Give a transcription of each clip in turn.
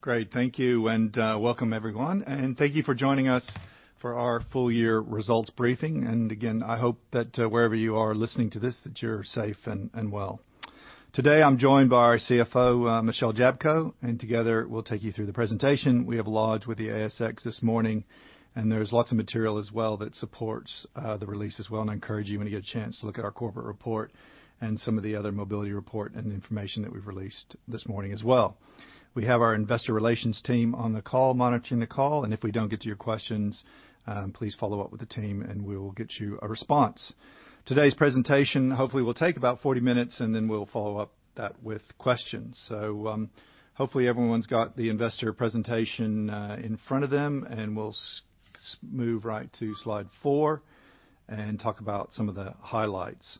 Great. Thank you. Welcome everyone. Thank you for joining us for our full year results briefing. Again, I hope that wherever you are listening to this, that you're safe and well. Today I'm joined by our CFO, Michelle Jablko. Together we'll take you through the presentation we have lodged with the ASX this morning. There's lots of material as well that supports the release as well. I encourage you when you get a chance to look at our corporate report and some of the other mobility report and information that we've released this morning as well. We have our investor relations team on the call monitoring the call. If we don't get to your questions, please follow up with the team. We will get you a response. Today's presentation hopefully will take about 40 minutes, then we'll follow up that with questions. Hopefully everyone's got the investor presentation in front of them and we'll move right to slide 4 and talk about some of the highlights.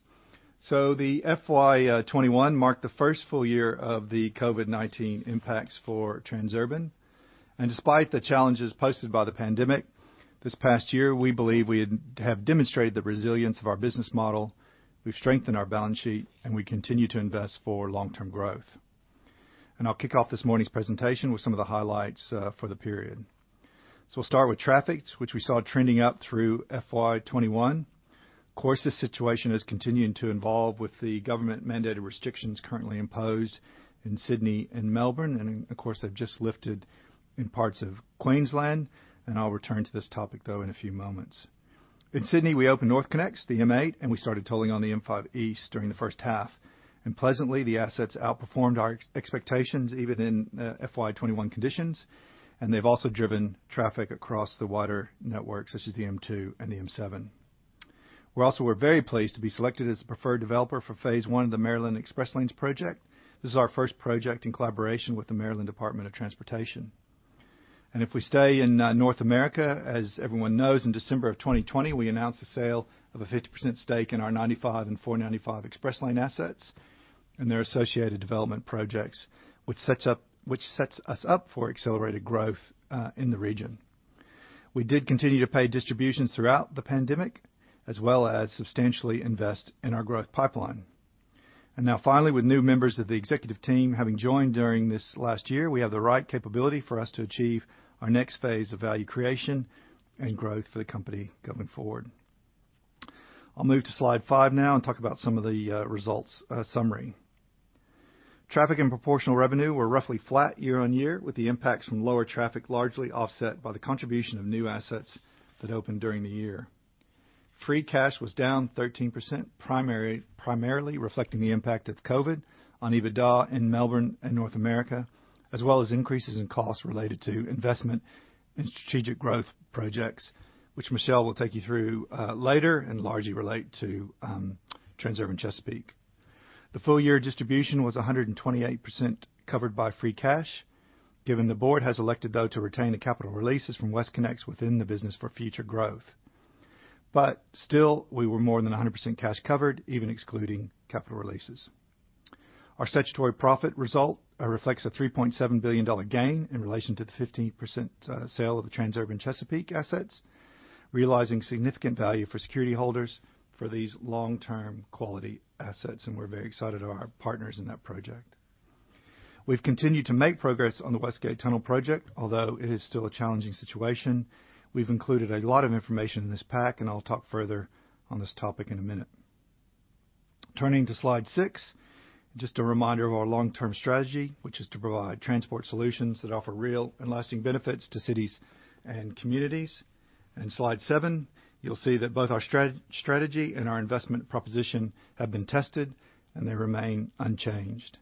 The FY 2021 marked the first full year of the COVID-19 impacts for Transurban, and despite the challenges posted by the pandemic this past year, we believe we have demonstrated the resilience of our business model. We've strengthened our balance sheet, and we continue to invest for long-term growth. I'll kick off this morning's presentation with some of the highlights for the period. We'll start with traffics, which we saw trending up through FY 2021. Of course, this situation is continuing to evolve with the government-mandated restrictions currently imposed in Sydney and Melbourne, of course, they've just lifted in parts of Queensland. I'll return to this topic though in a few moments. In Sydney, we opened NorthConnex, the M8, and we started tolling on the M5 East during the 1st half. Pleasantly, the assets outperformed our expectations even in FY 2021 conditions. They've also driven traffic across the wider networks, such as the M2 and the M7. We also were very pleased to be selected as the preferred developer for phase I of the Maryland Express Lanes project. This is our 1st project in collaboration with the Maryland Department of Transportation. If we stay in North America, as everyone knows, in December of 2020, we announced the sale of a 50% stake in our 95 and 495 Express Lane assets and their associated development projects, which sets us up for accelerated growth in the region. We did continue to pay distributions throughout the pandemic as well as substantially invest in our growth pipeline. Now finally, with new members of the executive team having joined during this last year, we have the right capability for us to achieve our next phase of value creation and growth for the company going forward. I'll move to slide five now and talk about some of the results summary. Traffic and proportional revenue were roughly flat year-on-year, with the impacts from lower traffic largely offset by the contribution of new assets that opened during the year. Free cash was down 13%, primarily reflecting the impact of COVID on EBITDA in Melbourne and North America, as well as increases in costs related to investment in strategic growth projects, which Michelle will take you through later and largely relate to Transurban Chesapeake. The full year distribution was 128% covered by free cash, given the board has elected, though, to retain the capital releases from WestConnex within the business for future growth. Still, we were more than 100% cash covered, even excluding capital releases. Our statutory profit result reflects a 3.7 billion dollar gain in relation to the 15% sale of the Transurban Chesapeake assets, realizing significant value for security holders for these long-term quality assets, and we're very excited for our partners in that project. We've continued to make progress on the West Gate Tunnel project, although it is still a challenging situation. We've included a lot of information in this pack, and I'll talk further on this topic in a minute. Turning to slide six, just a reminder of our long-term strategy, which is to provide transport solutions that offer real and lasting benefits to cities and communities. In slide seven, you'll see that both our strategy and our investment proposition have been tested, and they remain unchanged.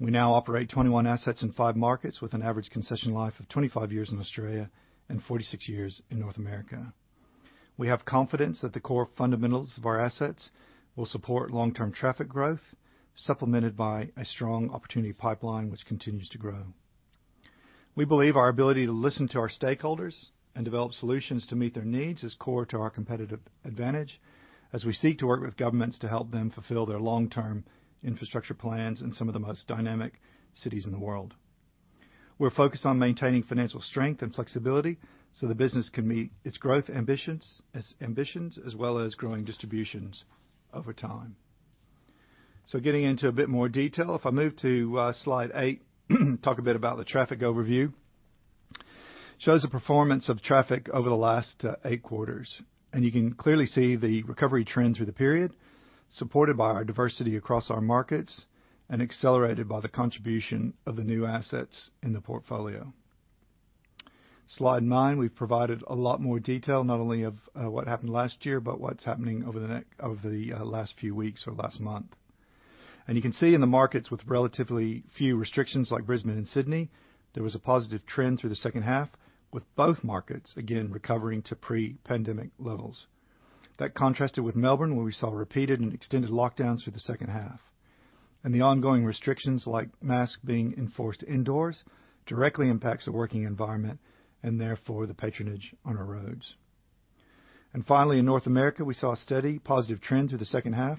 We now operate 21 assets in five markets with an average concession life of 25 years in Australia and 46 years in North America. We have confidence that the core fundamentals of our assets will support long-term traffic growth, supplemented by a strong opportunity pipeline which continues to grow. We believe our ability to listen to our stakeholders and develop solutions to meet their needs is core to our competitive advantage as we seek to work with governments to help them fulfill their long-term infrastructure plans in some of the most dynamic cities in the world. We're focused on maintaining financial strength and flexibility so the business can meet its growth ambitions as well as growing distributions over time. Getting into a bit more detail, if I move to slide eight, talk a bit about the traffic overview. Shows the performance of traffic over the last eight quarters, and you can clearly see the recovery trend through the period supported by our diversity across our markets and accelerated by the contribution of the new assets in the portfolio. Slide nine, we've provided a lot more detail not only of what happened last year, but what's happening over the last few weeks or last month. You can see in the markets with relatively few restrictions like Brisbane and Sydney, there was a positive trend through the second half with both markets again recovering to pre-pandemic levels. That contrasted with Melbourne, where we saw repeated and extended lockdowns through the second half. The ongoing restrictions like masks being enforced indoors directly impacts the working environment and therefore the patronage on our roads. Finally, in North America, we saw a steady positive trend through the second half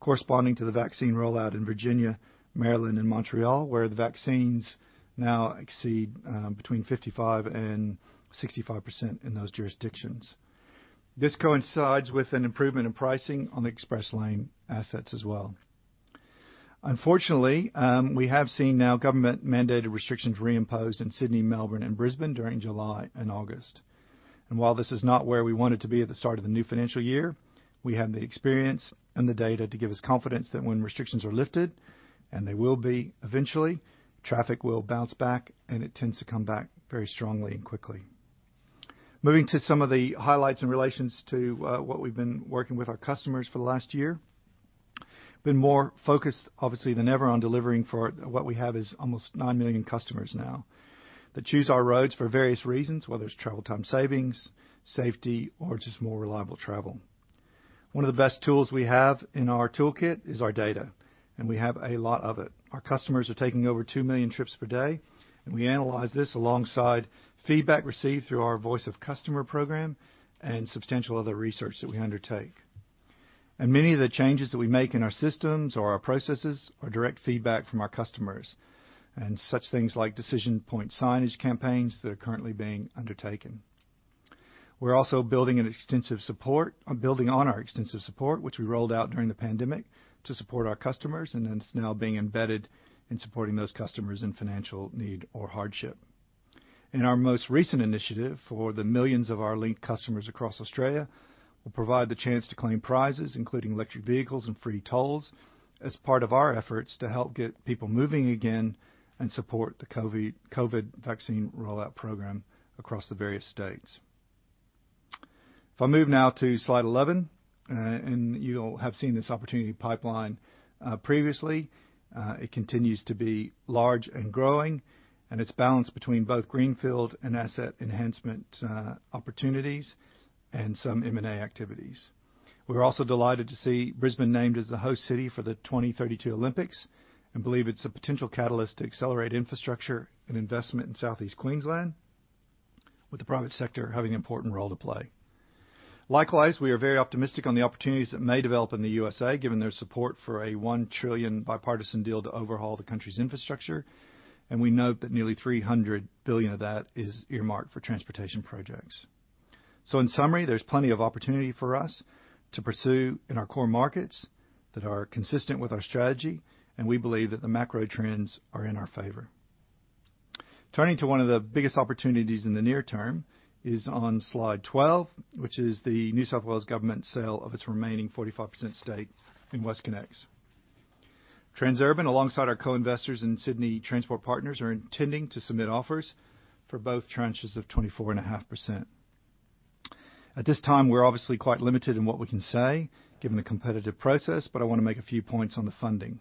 corresponding to the vaccine rollout in Virginia, Maryland and Montreal, where the vaccines now exceed between 55% and 65% in those jurisdictions. This coincides with an improvement in pricing on the express lane assets as well. Unfortunately, we have seen now government-mandated restrictions reimposed in Sydney, Melbourne, and Brisbane during July and August. While this is not where we wanted to be at the start of the new financial year, we have the experience and the data to give us confidence that when restrictions are lifted, and they will be eventually, traffic will bounce back, and it tends to come back very strongly and quickly. Moving to some of the highlights in relations to what we've been working with our customers for the last year. Been more focused, obviously, than ever on delivering for what we have is almost nine million customers now, that choose our roads for various reasons, whether it's travel time savings, safety, or just more reliable travel. One of the best tools we have in our toolkit is our data, and we have a lot of it. Our customers are taking over two million trips per day, and we analyze this alongside feedback received through our voice of customer program and substantial other research that we undertake. Many of the changes that we make in our systems or our processes are direct feedback from our customers, and such things like decision point signage campaigns that are currently being undertaken. We're also building on our extensive support, which we rolled out during the pandemic, to support our customers, and it's now being embedded in supporting those customers in financial need or hardship. In our most recent initiative for the millions of our customers across Australia, we'll provide the chance to claim prizes, including electric vehicles and free tolls as part of our efforts to help get people moving again and support the COVID-19 vaccine rollout program across the various states. If I move now to slide 11, and you'll have seen this opportunity pipeline previously. It continues to be large and growing, and it's balanced between both greenfield and asset enhancement opportunities and some M&A activities. We're also delighted to see Brisbane named as the host city for the 2032 Olympics and believe it's a potential catalyst to accelerate infrastructure and investment in Southeast Queensland, with the private sector having an important role to play. Likewise, we are very optimistic on the opportunities that may develop in the U.S.A., given their support for an 1 trillion bipartisan deal to overhaul the country's infrastructure, and we note that nearly 300 billion of that is earmarked for transportation projects. In summary, there's plenty of opportunity for us to pursue in our core markets that are consistent with our strategy, and we believe that the macro trends are in our favor. Turning to one of the biggest opportunities in the near term is on slide 12, which is the New South Wales Government sale of its remaining 45% stake in WestConnex. Transurban, alongside our co-investors in Sydney Transport Partners, are intending to submit offers for both tranches of 24.5%. At this time, we're obviously quite limited in what we can say, given the competitive process, but I wanna make a few points on the funding.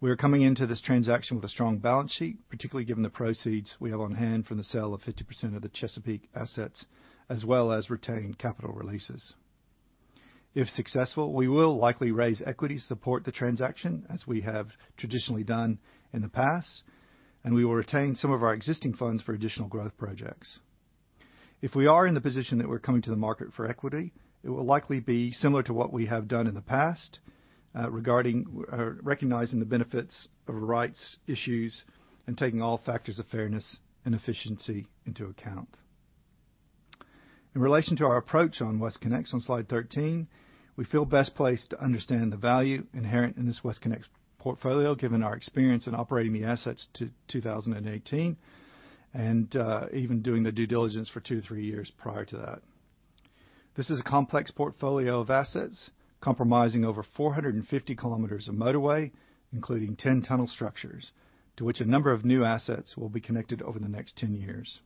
We are coming into this transaction with a strong balance sheet, particularly given the proceeds we have on hand from the sale of 50% of the Chesapeake assets, as well as retaining capital releases. If successful, we will likely raise equity to support the transaction as we have traditionally done in the past, and we will retain some of our existing funds for additional growth projects. If we are in the position that we're coming to the market for equity, it will likely be similar to what we have done in the past, regarding recognizing the benefits of rights issues and taking all factors of fairness and efficiency into account. In relation to our approach on WestConnex on slide 13, we feel best placed to understand the value inherent in this WestConnex portfolio, given our experience in operating the assets to 2018, and even doing the due diligence for two to three years prior to that. This is a complex portfolio of assets comprising over 450 kilometers of motorway, including 10 tunnel structures, to which a number of new assets will be connected over the next 10 years.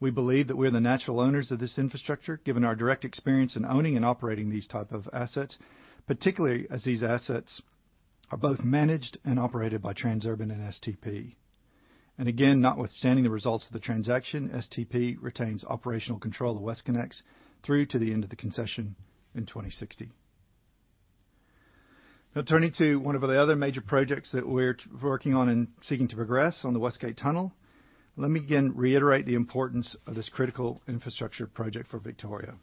We believe that we're the natural owners of this infrastructure, given our direct experience in owning and operating these type of assets, particularly as these assets are both managed and operated by Transurban and STP. Again, notwithstanding the results of the transaction, STP retains operational control of WestConnex through to the end of the concession in 2060. Turning to one of the other major projects that we're working on and seeking to progress on the West Gate Tunnel, let me again reiterate the importance of this critical infrastructure project for Victoria.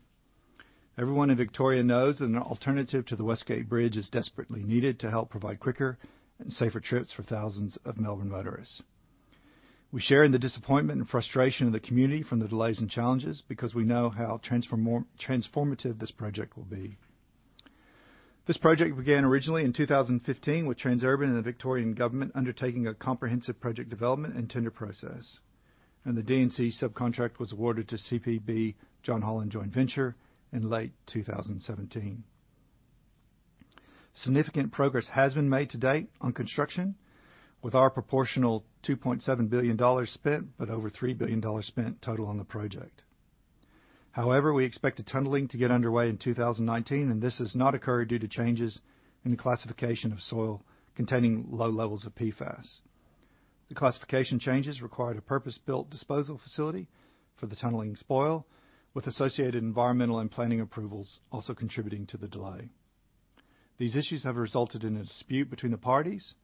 Everyone in Victoria knows that an alternative to the West Gate Bridge is desperately needed to help provide quicker and safer trips for thousands of Melbourne motorists. We share in the disappointment and frustration of the community from the delays and challenges because we know how transformative this project will be. This project began originally in 2015 with Transurban and the Victorian Government undertaking a comprehensive project development and tender process. The D&C subcontract was awarded to CPB, John Holland Joint Venture in late 2017. Significant progress has been made to date on construction, with our proportional 2.7 billion dollars spent but over 3 billion dollars spent total on the project. We expected tunneling to get underway in 2019, and this has not occurred due to changes in the classification of soil containing low levels of PFAS. The classification changes required a purpose-built disposal facility for the tunneling spoil, with associated environmental and planning approvals also contributing to the delay. These issues have resulted in a dispute between the parties.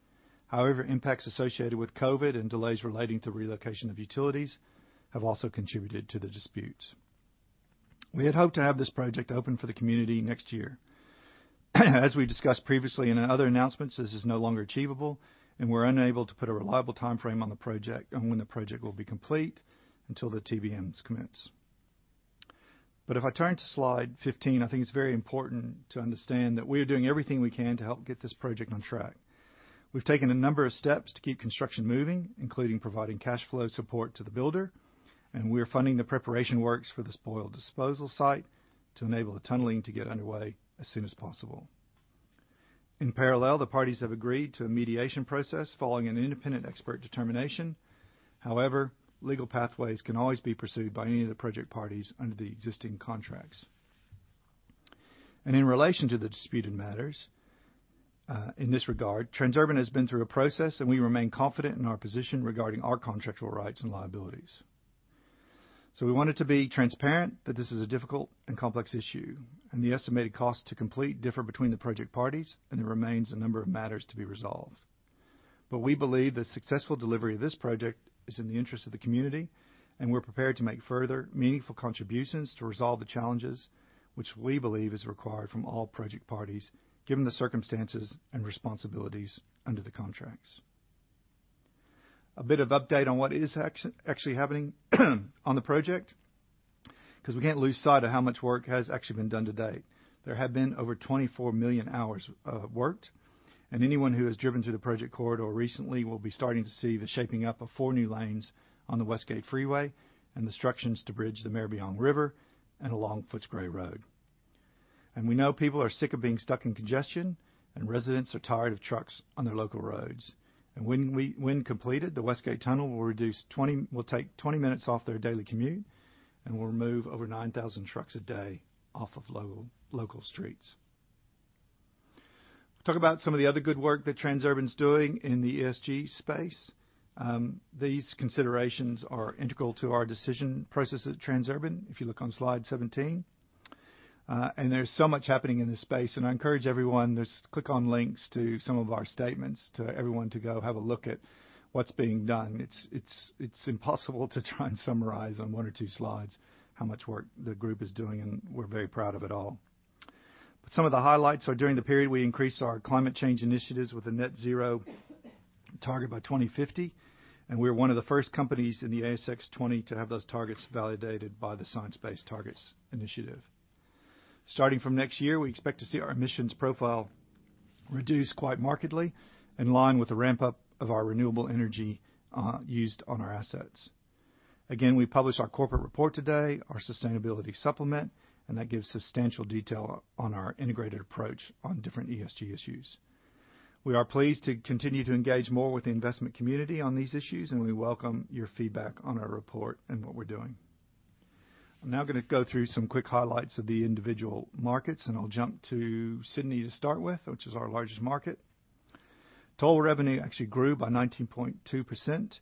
Impacts associated with COVID and delays relating to relocation of utilities have also contributed to the dispute. We had hoped to have this project open for the community next year. As we discussed previously in our other announcements, this is no longer achievable, and we're unable to put a reliable timeframe on the project on when the project will be complete until the TBMs commence. If I turn to slide 15, I think it's very important to understand that we are doing everything we can to help get this project on track. We've taken a number of steps to keep construction moving, including providing cash flow support to the builder, and we are funding the preparation works for the spoil disposal site to enable the tunneling to get underway as soon as possible. In parallel, the parties have agreed to a mediation process following an independent expert determination. However, legal pathways can always be pursued by any of the project parties under the existing contracts. In relation to the disputed matters, in this regard, Transurban has been through a process, and we remain confident in our position regarding our contractual rights and liabilities. We wanted to be transparent that this is a difficult and complex issue, and the estimated cost to complete differ between the project parties and there remains a number of matters to be resolved. We believe that successful delivery of this project is in the interest of the community, and we're prepared to make further meaningful contributions to resolve the challenges which we believe is required from all project parties, given the circumstances and responsibilities under the contracts. A bit of update on what is actually happening on the project, because we can't lose sight of how much work has actually been done to date. There have been over 24 million hours worked. Anyone who has driven through the project corridor recently will be starting to see the shaping up of four new lanes on the West Gate Freeway and the structures to bridge the Maribyrnong River and along Footscray Road. We know people are sick of being stuck in congestion and residents are tired of trucks on their local roads. When completed, the West Gate Tunnel will take 20 minutes off their daily commute and will remove over 9,000 trucks a day off of local streets. Talk about some of the other good work that Transurban's doing in the ESG space. These considerations are integral to our decision process at Transurban, if you look on slide 17. There's so much happening in this space, I encourage everyone, just click on links to some of our statements to everyone to go have a look at what's being done. It's impossible to try and summarize on one or two slides how much work the group is doing, and we're very proud of it all. Some of the highlights are during the period, we increased our climate change initiatives with a net zero target by 2050, and we are one of the first companies in the ASX 20 to have those targets validated by the Science-Based Targets initiative. Starting from next year, we expect to see our emissions profile reduced quite markedly in line with the ramp-up of our renewable energy used on our assets. Again, we published our corporate report today, our sustainability supplement, and that gives substantial detail on our integrated approach on different ESG issues. We are pleased to continue to engage more with the investment community on these issues, and we welcome your feedback on our report and what we're doing. I'm now gonna go through some quick highlights of the 1 individual markets, and I'll jump to Sydney to start with, which is our largest market. Toll revenue actually grew by 19.2%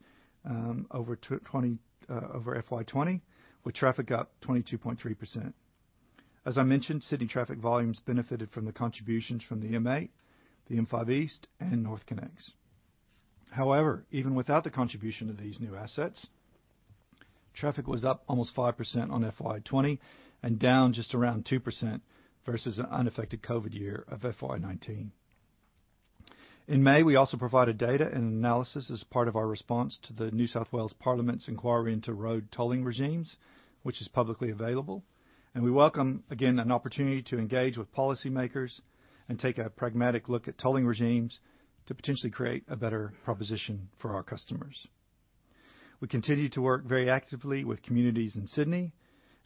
over FY 2020, with traffic up 22.3%. As I mentioned, Sydney traffic volumes benefited from the contributions from the M8, the M5 East, and NorthConnex. However, even without the contribution of these new assets, traffic was up almost 5% on FY 2020 and down just around 2% versus an unaffected COVID-19 year of FY 2019. In May, we also provided data and analysis as part of our response to the New South Wales Parliament's inquiry into road tolling regimes, which is publicly available. We welcome, again, an opportunity to engage with policymakers and take a pragmatic look at tolling regimes to potentially create a better proposition for our customers. We continue to work very actively with communities in Sydney,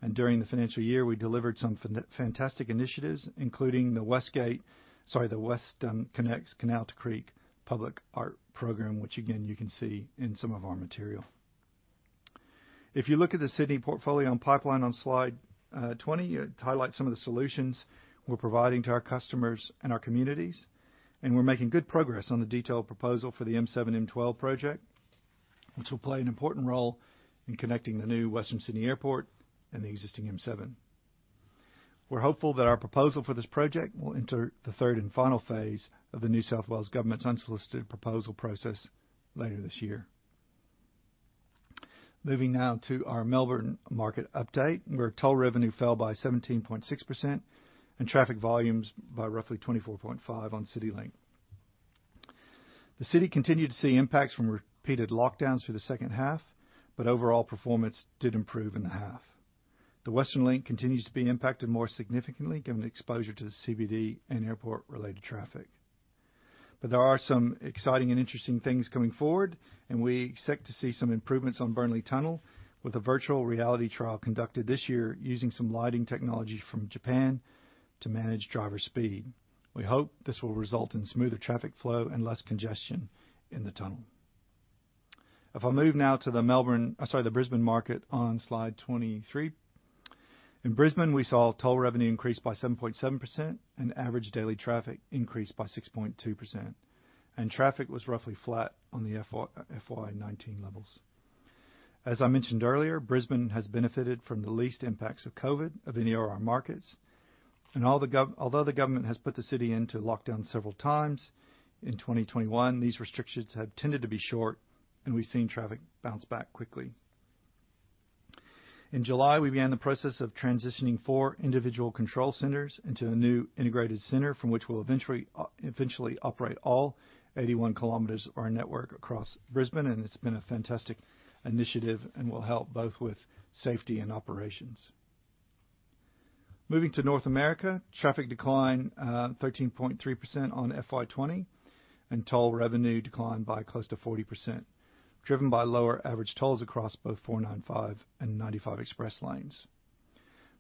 and during the financial year, we delivered some fantastic initiatives, including the WestConnex Canal to Creek public art program, which again, you can see in some of our material. If you look at the Sydney portfolio and pipeline on slide 20, it highlights some of the solutions we're providing to our customers and our communities. We're making good progress on the detailed proposal for the M7, M12 project, which will play an important role in connecting the new Western Sydney Airport and the existing M7. We're hopeful that our proposal for this project will enter the third and final phase of the New South Wales Government's unsolicited proposal process later this year. Moving now to our Melbourne market update, where toll revenue fell by 17.6% and traffic volumes by roughly 24.5% on CityLink. The city continued to see impacts from repeated lockdowns through the second half. Overall performance did improve in the half. The Western Link continues to be impacted more significantly given the exposure to the CBD and airport-related traffic. There are some exciting and interesting things coming forward, and we expect to see some improvements on Burnley Tunnel with a virtual reality trial conducted this year using some lighting technology from Japan to manage driver speed. We hope this will result in smoother traffic flow and less congestion in the tunnel. I move now to the Brisbane market on slide 23. In Brisbane, we saw toll revenue increase by 7.7% and average daily traffic increase by 6.2%. Traffic was roughly flat on the FY 2019 levels. As I mentioned earlier, Brisbane has benefited from the least impacts of COVID of any of our markets. Although the government has put the city into lockdown several times in 2021, these restrictions have tended to be short and we've seen traffic bounce back quickly. In July, we began the process of transitioning four individual control centers into a new integrated center from which we'll eventually operate all 81 km of our network across Brisbane, and it's been a fantastic initiative and will help both with safety and operations. Moving to North America, traffic declined 13.3% on FY 2020, and toll revenue declined by close to 40%, driven by lower average tolls across both 495 Express Lanes and 95 Express Lanes.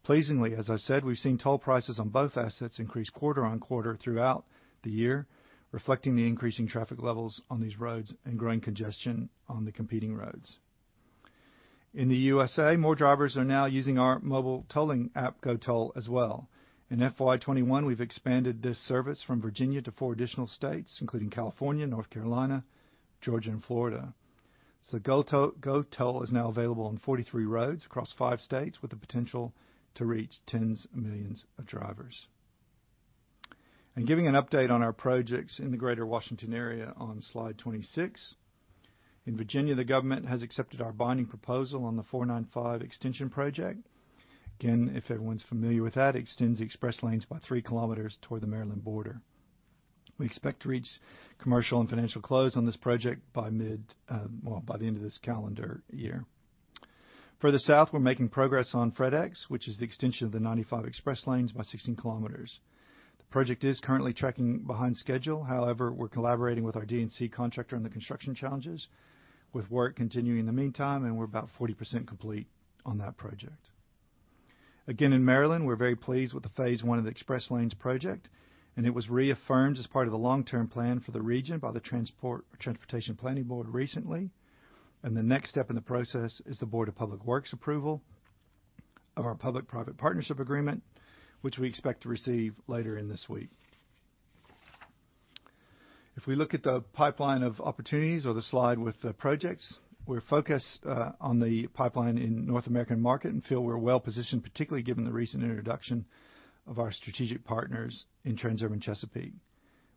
Pleasingly, as I've said, we've seen toll prices on both assets increase quarter on quarter throughout the year, reflecting the increasing traffic levels on these roads and growing congestion on the competing roads. In the U.S.A., more drivers are now using our mobile tolling app, GoToll, as well. In FY 2021, we've expanded this service from Virginia to four additional states, including California, North Carolina, Georgia, and Florida. GoToll is now available on 43 roads across five states, with the potential to reach tens of millions of drivers. Giving an update on our projects in the greater Washington area on slide 26. In Virginia, the government has accepted our binding proposal on the 495 Extension Project. Again, if everyone's familiar with that, extends the express lanes by three kilometers toward the Maryland border. We expect to reach commercial and financial close on this project by the end of this calendar year. Further south, we're making progress on FredEx, which is the extension of the 95 Express Lanes by 16 kilometers. The project is currently tracking behind schedule. However, we're collaborating with our D&C contractor on the construction challenges with work continuing in the meantime, and we're about 40% complete on that project. Again, in Maryland, we're very pleased with the phase I of the Express Lanes project. It was reaffirmed as part of the long-term plan for the region by the Transportation Planning Board recently. The next step in the process is the Board of Public Works approval of our public-private partnership agreement, which we expect to receive later in this week. If we look at the pipeline of opportunities or the slide with the projects, we're focused on the pipeline in North American market and feel we're well-positioned, particularly given the recent introduction of our strategic partners in Transurban Chesapeake.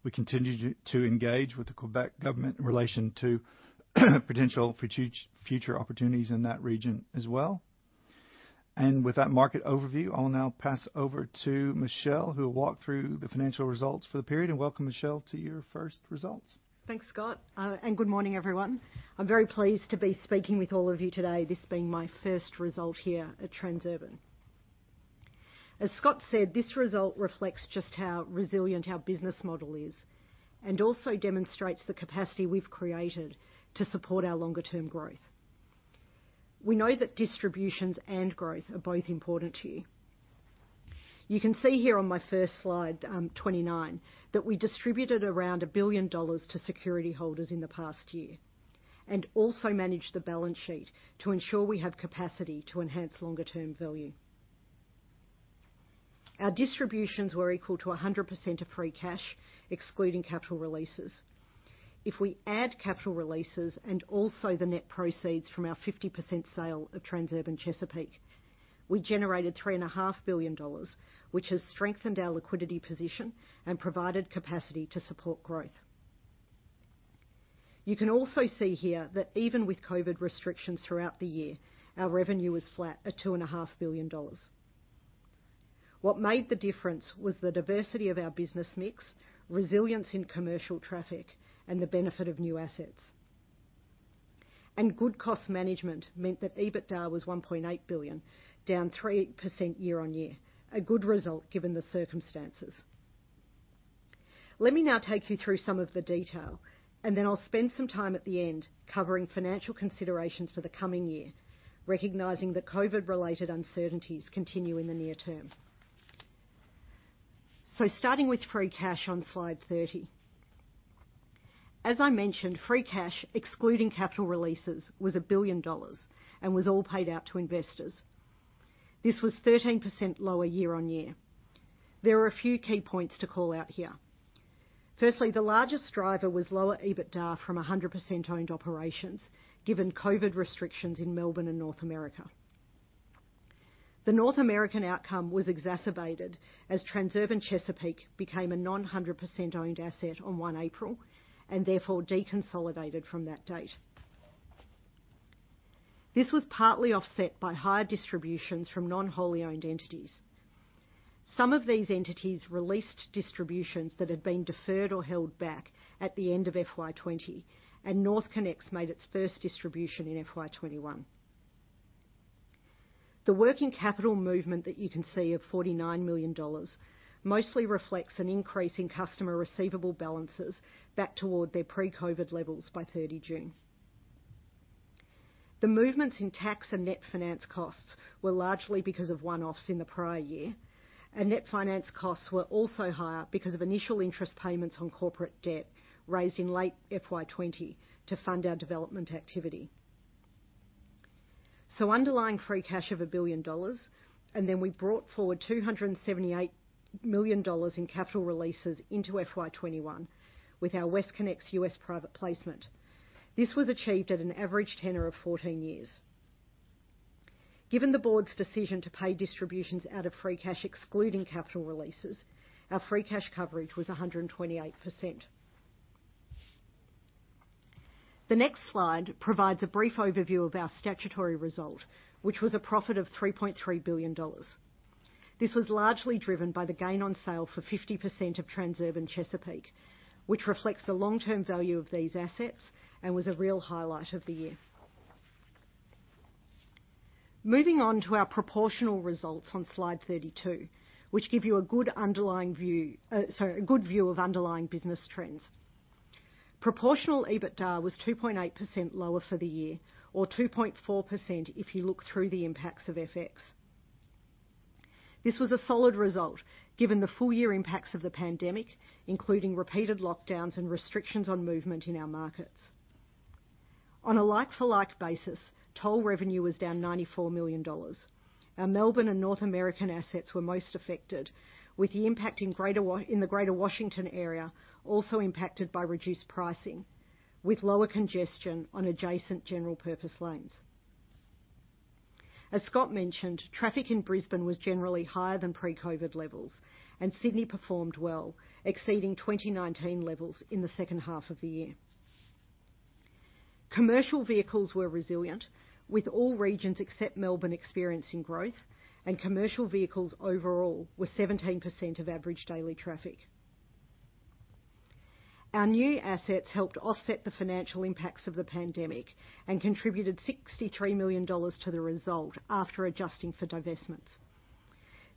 We continue to engage with the Quebec government in relation to potential future opportunities in that region as well. With that market overview, I'll now pass over to Michelle, who will walk through the financial results for the period. Welcome, Michelle, to your first results. Thanks, Scott. Good morning, everyone. I'm very pleased to be speaking with all of you today. This being my first result here at Transurban. As Scott said, this result reflects just how resilient our business model is and also demonstrates the capacity we've created to support our longer-term growth. We know that distributions and growth are both important to you. You can see here on my first slide 29 that we distributed around 1 billion dollars to security holders in the past year and also managed the balance sheet to ensure we have capacity to enhance longer-term value. Our distributions were equal to 100% of free cash, excluding capital releases. If we add capital releases and also the net proceeds from our 50% sale of Transurban Chesapeake, we generated 3.5 billion dollars, which has strengthened our liquidity position and provided capacity to support growth. You can also see here that even with COVID restrictions throughout the year, our revenue was flat at 2.5 billion dollars. What made the difference was the diversity of our business mix, resilience in commercial traffic, and the benefit of new assets. Good cost management meant that EBITDA was 1.8 billion, down 3% year-on-year. A good result given the circumstances. Let me now take you through some of the detail, and then I will spend some time at the end covering financial considerations for the coming year, recognizing that COVID-related uncertainties continue in the near term. Starting with free cash on slide 30. As I mentioned, free cash, excluding capital releases, was 1 billion dollars and was all paid out to investors. This was 13% lower year-on-year. There are a few key points to call out here. Firstly, the largest driver was lower EBITDA from 100%-owned operations given COVID restrictions in Melbourne and North America. The North American outcome was exacerbated as Transurban Chesapeake became a non-100% owned asset on 1 April, and therefore deconsolidated from that date. This was partly offset by higher distributions from non-wholly owned entities. Some of these entities released distributions that had been deferred or held back at the end of FY 2020, and NorthConnex made its first distribution in FY 2021. The working capital movement that you can see of 49 million dollars mostly reflects an increase in customer receivable balances back toward their pre-COVID levels by 30 June. The movements in tax and net finance costs were largely because of one-offs in the prior year, and net finance costs were also higher because of initial interest payments on corporate debt raised in late FY 2020 to fund our development activity. Underlying free cash of 1 billion dollars, and then we brought forward 278 million dollars in capital releases into FY 2021 with our WestConnex U.S. private placement. This was achieved at an average tenure of 14 years. Given the Board's decision to pay distributions out of free cash excluding capital releases, our free cash coverage was 128%. The next slide provides a brief overview of our statutory result, which was a profit of 3.3 billion dollars. This was largely driven by the gain on sale for 50% of Transurban Chesapeake, which reflects the long-term value of these assets and was a real highlight of the year. Moving on to our proportional results on slide 32, which give you a good view of underlying business trends. Proportional EBITDA was 2.8% lower for the year, or 2.4% if you look through the impacts of FX. This was a solid result given the full-year impacts of the pandemic, including repeated lockdowns and restrictions on movement in our markets. On a like-for-like basis, toll revenue was down 94 million dollars. Our Melbourne and North American assets were most affected, with the impact in the Greater Washington Area also impacted by reduced pricing, with lower congestion on adjacent general purpose lanes. As Scott mentioned, traffic in Brisbane was generally higher than pre-COVID levels, and Sydney performed well, exceeding 2019 levels in the second half of the year. Commercial vehicles were resilient, with all regions except Melbourne experiencing growth, and commercial vehicles overall were 17% of average daily traffic. Our new assets helped offset the financial impacts of the pandemic and contributed 63 million dollars to the result after adjusting for divestments.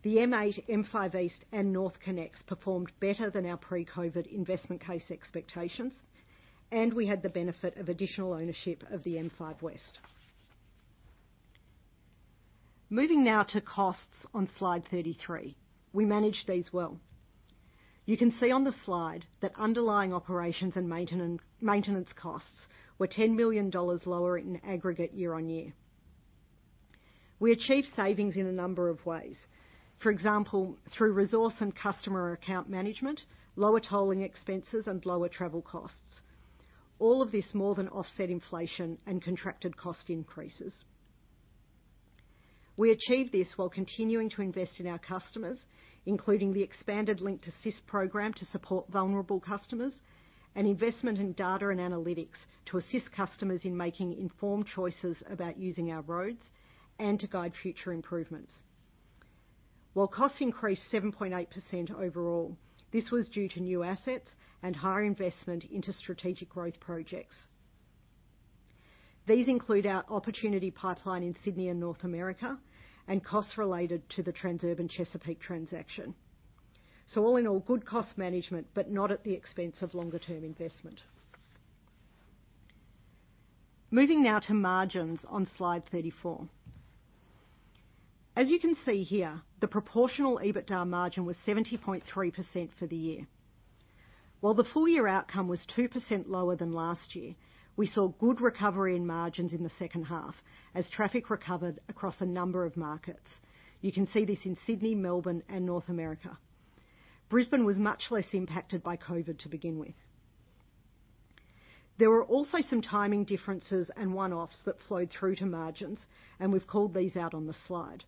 The M8, M5 East, and NorthConnex performed better than our pre-COVID investment case expectations, and we had the benefit of additional ownership of the M5 West. Moving now to costs on Slide 33. We managed these well. You can see on the slide that underlying operations and maintenance costs were 10 million dollars lower in aggregate year-on-year. We achieved savings in a number of ways. For example, through resource and customer account management, lower tolling expenses, and lower travel costs. All of this more than offset inflation and contracted cost increases. We achieved this while continuing to invest in our customers, including the expanded Linkt Assist program to support vulnerable customers, and investment in data and analytics to assist customers in making informed choices about using our roads and to guide future improvements. While costs increased 7.8% overall, this was due to new assets and higher investment into strategic growth projects. These include our opportunity pipeline in Sydney and North America, and costs related to the Transurban Chesapeake transaction. All in all, good cost management, but not at the expense of longer-term investment. Moving now to margins on Slide 34. As you can see here, the proportional EBITDA margin was 70.3% for the year. While the full-year outcome was 2% lower than last year, we saw good recovery in margins in the second half as traffic recovered across a number of markets. You can see this in Sydney, Melbourne, and North America. Brisbane was much less impacted by COVID to begin with. There were also some timing differences and one-offs that flowed through to margins, and we've called these out on the slide.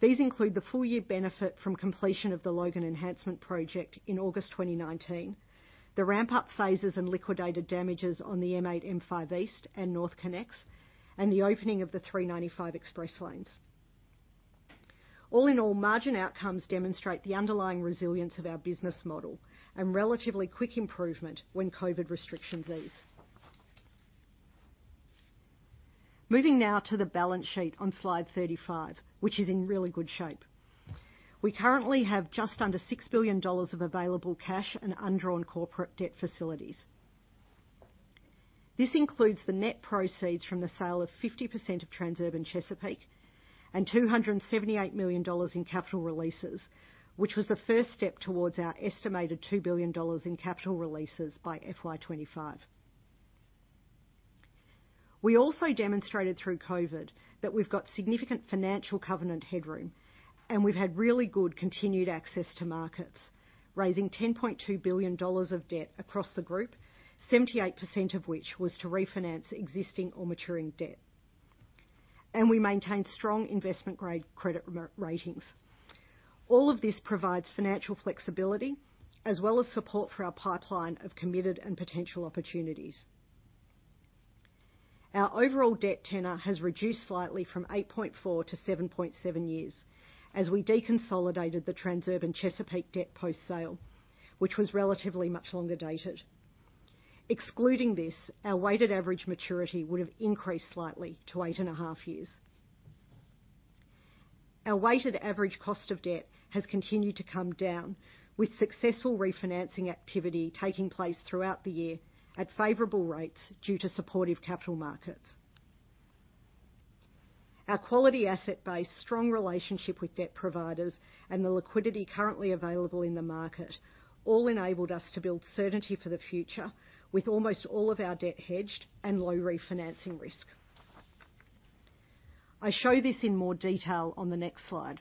These include the full-year benefit from completion of the Logan Enhancement Project in August 2019, the ramp-up phases and liquidated damages on the M8, M5 East and NorthConnex, and the opening of the 395 Express Lanes. All in all, margin outcomes demonstrate the underlying resilience of our business model and relatively quick improvement when COVID restrictions ease. Moving now to the balance sheet on Slide 35, which is in really good shape. We currently have just under 6 billion dollars of available cash and undrawn corporate debt facilities. This includes the net proceeds from the sale of 50% of Transurban Chesapeake and 278 million dollars in capital releases, which was the first step towards our estimated 2 billion dollars in capital releases by FY 2025. We also demonstrated through COVID that we've got significant financial covenant headroom. We've had really good continued access to markets, raising 10.2 billion dollars of debt across the group, 78% of which was to refinance existing or maturing debt. We maintained strong investment-grade credit ratings. All of this provides financial flexibility as well as support for our pipeline of committed and potential opportunities. Our overall debt tenor has reduced slightly from 8.4 to 7.7 years as we deconsolidated the Transurban Chesapeake debt post-sale, which was relatively much longer dated. Excluding this, our weighted average maturity would have increased slightly to 8.5 years. Our weighted average cost of debt has continued to come down with successful refinancing activity taking place throughout the year at favorable rates due to supportive capital markets. Our quality asset base, strong relationship with debt providers, and the liquidity currently available in the market all enabled us to build certainty for the future with almost all of our debt hedged and low refinancing risk. I show this in more detail on the next slide.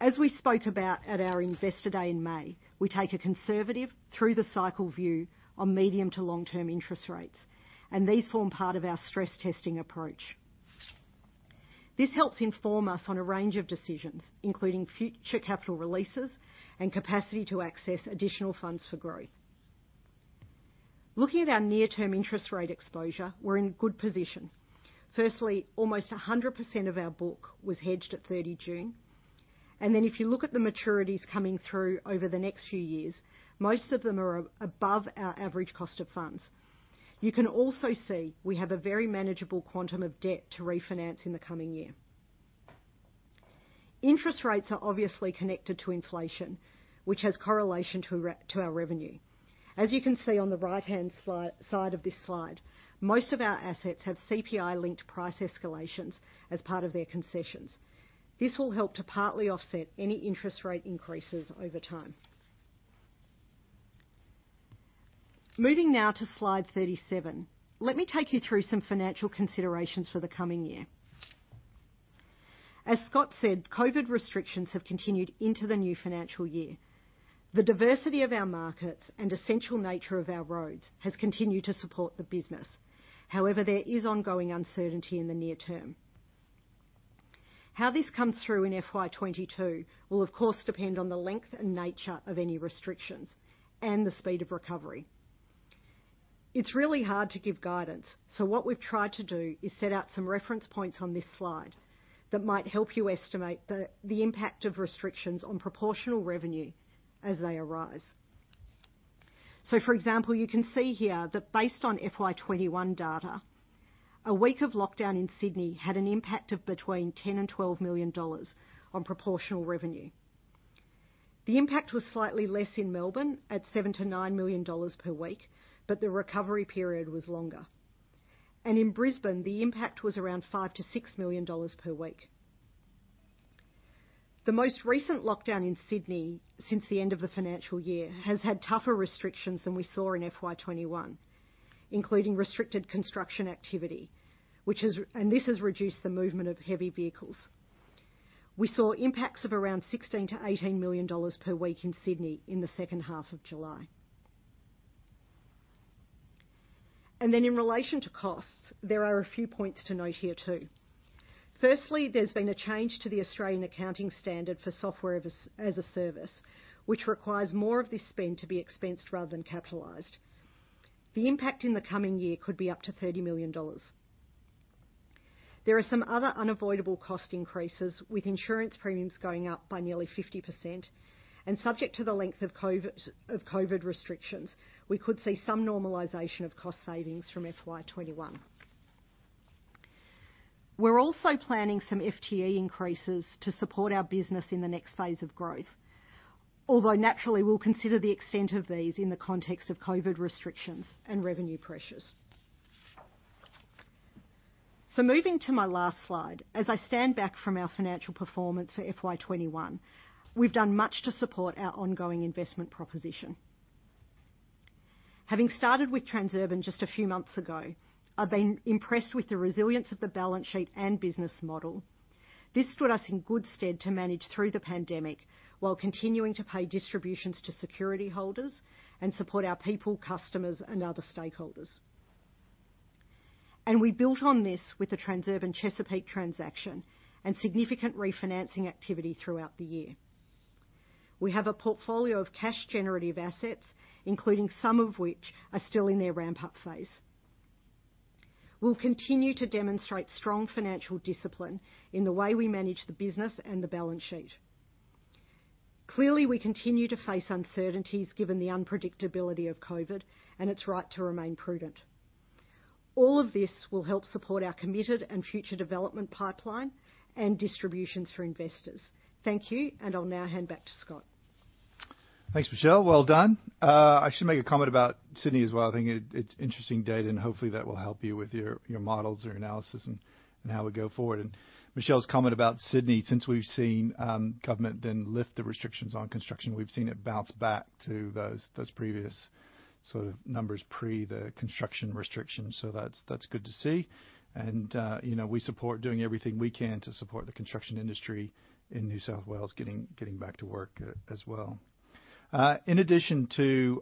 As we spoke about at our Investor Day in May, we take a conservative through-the-cycle view on medium to long-term interest rates, and these form part of our stress testing approach. This helps inform us on a range of decisions, including future capital releases and capacity to access additional funds for growth. Looking at our near-term interest rate exposure, we're in a good position. Firstly, almost 100% of our book was hedged at 30 June. If you look at the maturities coming through over the next few years, most of them are above our average cost of funds. You can also see we have a very manageable quantum of debt to refinance in the coming year. Interest rates are obviously connected to inflation, which has correlation to our revenue. As you can see on the right-hand side of this slide, most of our assets have CPI-linked price escalations as part of their concessions. This will help to partly offset any interest rate increases over time. Moving now to slide 37. Let me take you through some financial considerations for the coming year. As Scott said, COVID restrictions have continued into the new financial year. The diversity of our markets and essential nature of our roads has continued to support the business. However, there is ongoing uncertainty in the near term. How this comes through in FY 2022 will of course depend on the length and nature of any restrictions and the speed of recovery. It's really hard to give guidance. What we've tried to do is set out some reference points on this slide that might help you estimate the impact of restrictions on proportional revenue as they arise. For example, you can see here that based on FY21 data, a week of lockdown in Sydney had an impact of between 10 million and 12 million dollars on proportional revenue. The impact was slightly less in Melbourne at 7 million-9 million dollars per week, but the recovery period was longer. In Brisbane, the impact was around 5 million-6 million dollars per week. The most recent lockdown in Sydney since the end of the financial year has had tougher restrictions than we saw in FY21, including restricted construction activity, and this has reduced the movement of heavy vehicles. We saw impacts of around 16 million to 18 million dollars per week in Sydney in the second half of July. In relation to costs, there are a few points to note here too. Firstly, there's been a change to the Australian accounting standard for software as a service, which requires more of this spend to be expensed rather than capitalized. The impact in the coming year could be up to 30 million dollars. There are some other unavoidable cost increases with insurance premiums going up by nearly 50%, and subject to the length of COVID restrictions, we could see some normalization of cost savings from FY 2021. We're also planning some FTE increases to support our business in the next phase of growth. Although naturally, we'll consider the extent of these in the context of COVID restrictions and revenue pressures. Moving to my last slide, as I stand back from our financial performance for FY 2021, we've done much to support our ongoing investment proposition. Having started with Transurban just a few months ago, I've been impressed with the resilience of the balance sheet and business model. This stood us in good stead to manage through the pandemic while continuing to pay distributions to security holders and support our people, customers, and other stakeholders. We built on this with the Transurban Chesapeake transaction and significant refinancing activity throughout the year. We have a portfolio of cash-generative assets, including some of which are still in their ramp-up phase. We'll continue to demonstrate strong financial discipline in the way we manage the business and the balance sheet. Clearly, we continue to face uncertainties given the unpredictability of COVID, and it's right to remain prudent. All of this will help support our committed and future development pipeline and distributions for investors. Thank you, and I'll now hand back to Scott. Thanks, Michelle. Well done. I should make a comment about Sydney as well. I think it's interesting data, hopefully that will help you with your models or analysis and how we go forward. Michelle's comment about Sydney, since we've seen government then lift the restrictions on construction, we've seen it bounce back to those previous sort of numbers pre the construction restrictions. That's good to see. We support doing everything we can to support the construction industry in New South Wales getting back to work as well. In addition to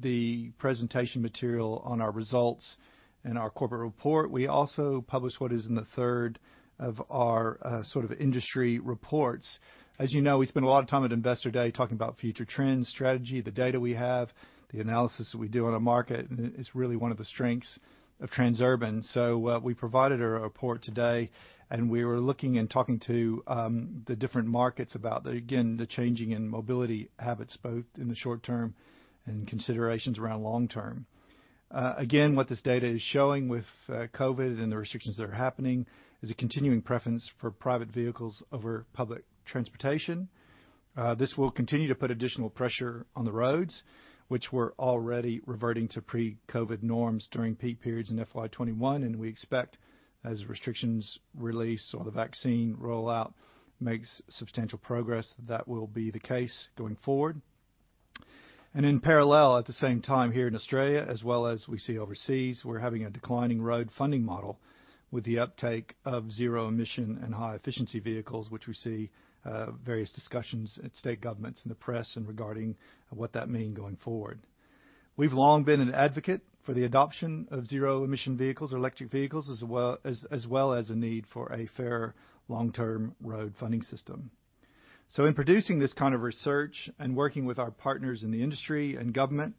the presentation material on our results and our corporate report, we also publish what is in the third of our sort of industry reports. As you know, we spend a lot of time at Investor Day talking about future trends, strategy, the data we have, the analysis that we do on a market, and it's really one of the strengths of Transurban. We provided a report today, and we were looking and talking to the different markets about, again, the changing in mobility habits, both in the short term and considerations around long term. Again, what this data is showing with COVID-19 and the restrictions that are happening is a continuing preference for private vehicles over public transportation. This will continue to put additional pressure on the roads, which were already reverting to pre-COVID-19 norms during peak periods in FY21, and we expect as restrictions release or the vaccine rollout makes substantial progress, that will be the case going forward. In parallel, at the same time here in Australia, as well as we see overseas, we're having a declining road funding model with the uptake of zero emission and high efficiency vehicles, which we see various discussions at state governments in the press and regarding what that mean going forward. We've long been an advocate for the adoption of zero emission vehicles or electric vehicles, as well as the need for a fair long-term road funding system. In producing this kind of research and working with our partners in the industry and government,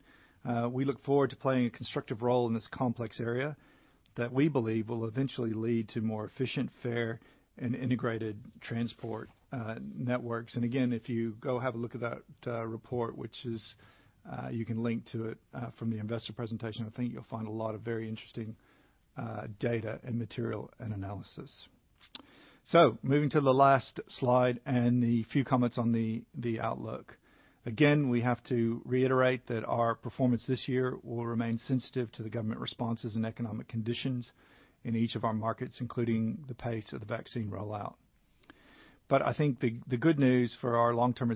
we look forward to playing a constructive role in this complex area that we believe will eventually lead to more efficient, fair, and integrated transport networks. Again, if you go have a look at that report, you can link to it from the investor presentation, I think you'll find a lot of very interesting data and material and analysis. Moving to the last slide and a few comments on the outlook. Again, we have to reiterate that our performance this year will remain sensitive to the government responses and economic conditions in each of our markets, including the pace of the vaccine rollout. I think the good news for our long-term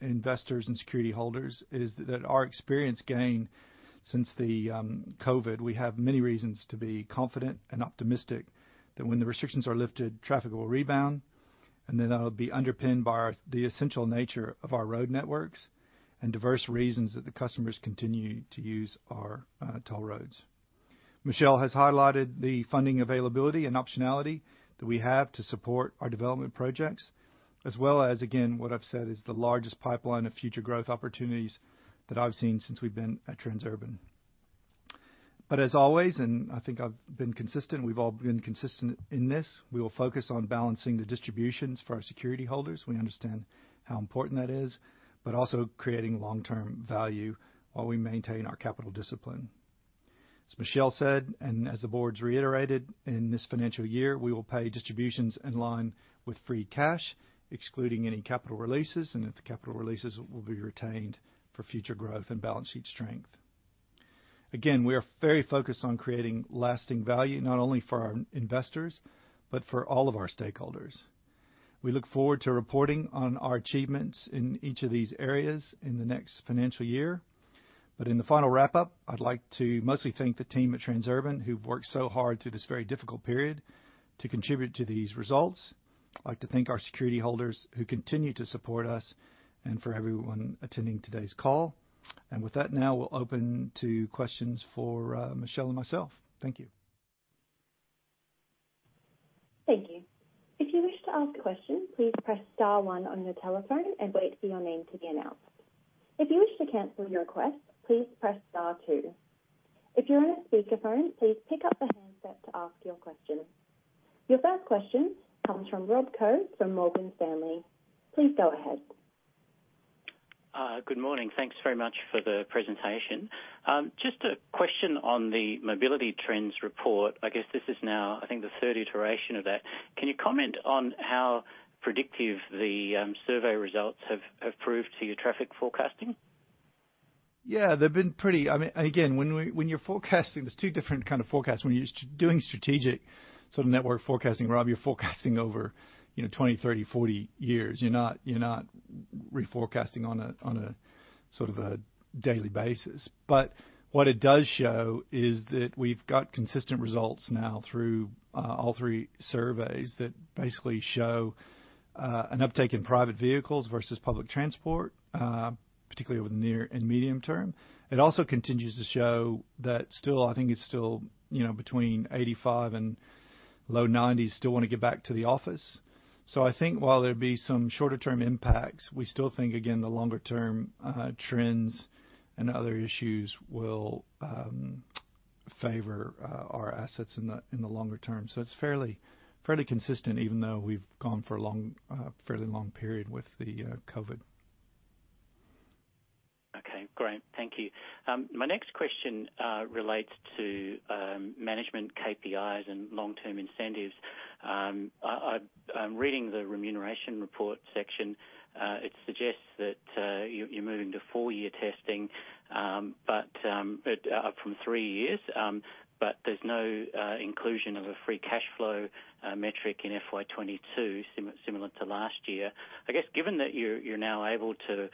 investors and security holders is that our experience gained since the COVID, we have many reasons to be confident and optimistic that when the restrictions are lifted, traffic will rebound, that’ll be underpinned by the essential nature of our road networks and diverse reasons that the customers continue to use our toll roads. Michelle has highlighted the funding availability and optionality that we have to support our development projects, as well as, again, what I've said is the largest pipeline of future growth opportunities that I've seen since we've been at Transurban. As always, and I think I've been consistent, we've all been consistent in this, we will focus on balancing the distributions for our security holders. We understand how important that is, but also creating long-term value while we maintain our capital discipline. As Michelle said, and as the board's reiterated, in this financial year, we will pay distributions in line with free cash, excluding any capital releases, and if the capital releases will be retained for future growth and balance sheet strength. Again, we are very focused on creating lasting value not only for our investors but for all of our stakeholders. We look forward to reporting on our achievements in each of these areas in the next financial year. In the final wrap-up, I'd like to mostly thank the team at Transurban who've worked so hard through this very difficult period to contribute to these results. I'd like to thank our security holders who continue to support us and for everyone attending today's call. With that, now we'll open to questions for Michelle and myself. Thank you. Thank you. If you wish to ask questions, please press star one on your telephone and wait for your name to be announced. If you wish to cancel your request, please press star two. If you're on a speakerphone, please pick up the handset to ask your question. Your first question comes from Rob Koh from Morgan Stanley. Please go ahead. Good morning. Thanks very much for the presentation. Just a question on the mobility trends report. I guess this is now, I think, the third iteration of that. Can you comment on how predictive the survey results have proved to your traffic forecasting? They've been pretty Again, when you're forecasting, there's two different kind of forecasts. When you're doing strategic sort of network forecasting, Rob, you're forecasting over 20, 30, 40 years. You're not re-forecasting on a sort of daily basis. What it does show is that we've got consistent results now through all three surveys that basically show an uptake in private vehicles versus public transport, particularly over the near and medium term. It also continues to show that still, I think it's still between 85 and low 90s still want to get back to the office. I think while there'd be some shorter-term impacts, we still think, again, the longer-term trends and other issues will favor our assets in the longer term. It's fairly consistent, even though we've gone for a fairly long period with the COVID-19. Okay, great. Thank you. My next question relates to management KPIs and long-term incentives. I'm reading the remuneration report section. It suggests that you're moving to four-year testing up from three years, but there's no inclusion of a free cash flow metric in FY 2022 similar to last year. I guess given that you're now able to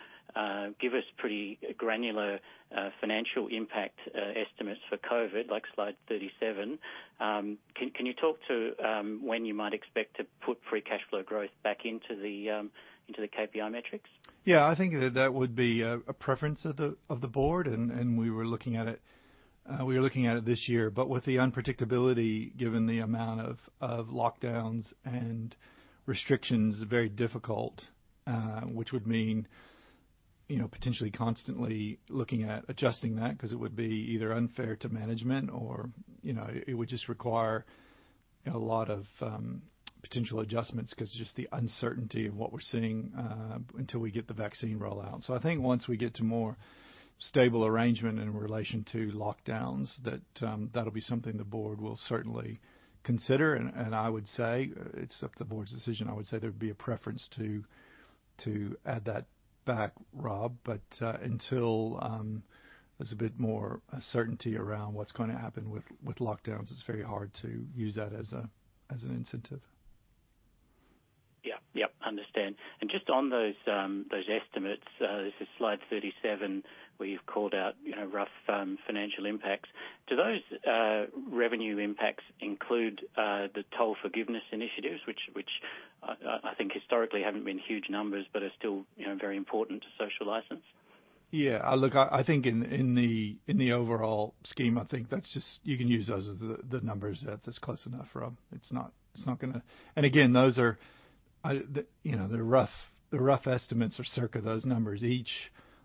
give us pretty granular financial impact estimates for COVID, like slide 37, can you talk to when you might expect to put free cash flow growth back into the KPI metrics? Yeah, I think that would be a preference of the board, and we were looking at it this year. With the unpredictability, given the amount of lockdowns and restrictions, very difficult, which would mean potentially constantly looking at adjusting that because it would be either unfair to management or it would just require a lot of potential adjustments because just the uncertainty of what we're seeing until we get the vaccine rollout. I think once we get to more stable arrangement in relation to lockdowns, that'll be something the board will certainly consider. I would say, it's up to the board's decision, I would say there'd be a preference to add that back, Rob. Until there's a bit more certainty around what's going to happen with lockdowns, it's very hard to use that as an incentive. Yeah. Understand. Just on those estimates, this is slide 37, where you've called out rough financial impacts. Do those revenue impacts include the toll forgiveness initiatives, which I think historically haven't been huge numbers, but are still very important to social license? Yeah. Look, I think in the overall scheme, I think you can use those as the numbers that that's close enough, Rob Koh. Again, the rough estimates are circa those numbers. Each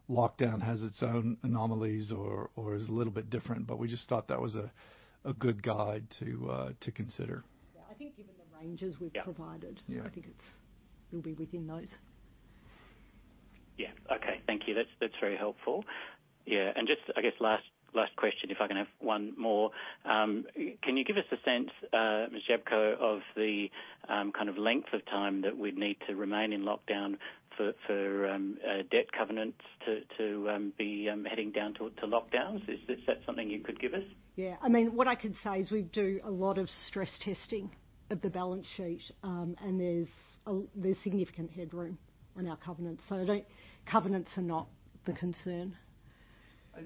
lockdown has its own anomalies or is a little bit different, but we just thought that was a good guide to consider. Yeah. I think given the ranges we've provided. Yeah I think it'll be within those. Yeah. Okay. Thank you. That's very helpful. Yeah. Just, I guess last question, if I can have one more. Can you give us a sense, Ms. Jablko, of the kind of length of time that we'd need to remain in lockdown for debt covenants to be heading down to lockdowns? Is that something you could give us? What I could say is we do a lot of stress testing of the balance sheet, and there's significant headroom on our covenants. Covenants are not the concern.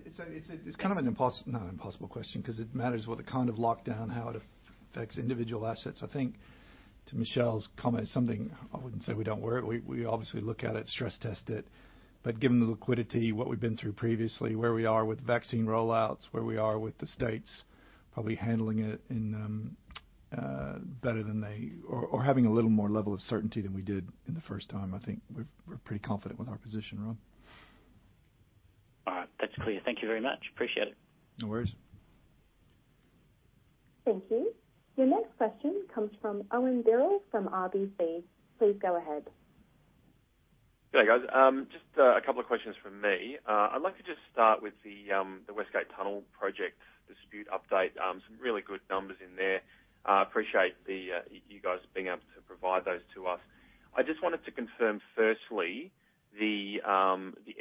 It's kind of an impossible question because it matters what the kind of lockdown, how it affects individual assets. I think to Michelle's comment, something I wouldn't say we don't worry, we obviously look at it, stress test it. Given the liquidity, what we've been through previously, where we are with vaccine rollouts, where we are with the states probably handling it better than they, or having a little more level of certainty than we did in the first time, I think we're pretty confident with our position, Rob. All right. That's clear. Thank you very much. Appreciate it. No worries. Thank you. Your next question comes from Owen Birrell from RBC. Please go ahead. G'day, guys. Just a couple of questions from me. I'd like to just start with the West Gate Tunnel project dispute update. Some really good numbers in there. Appreciate you guys being able to provide those to us. I just wanted to confirm, firstly, the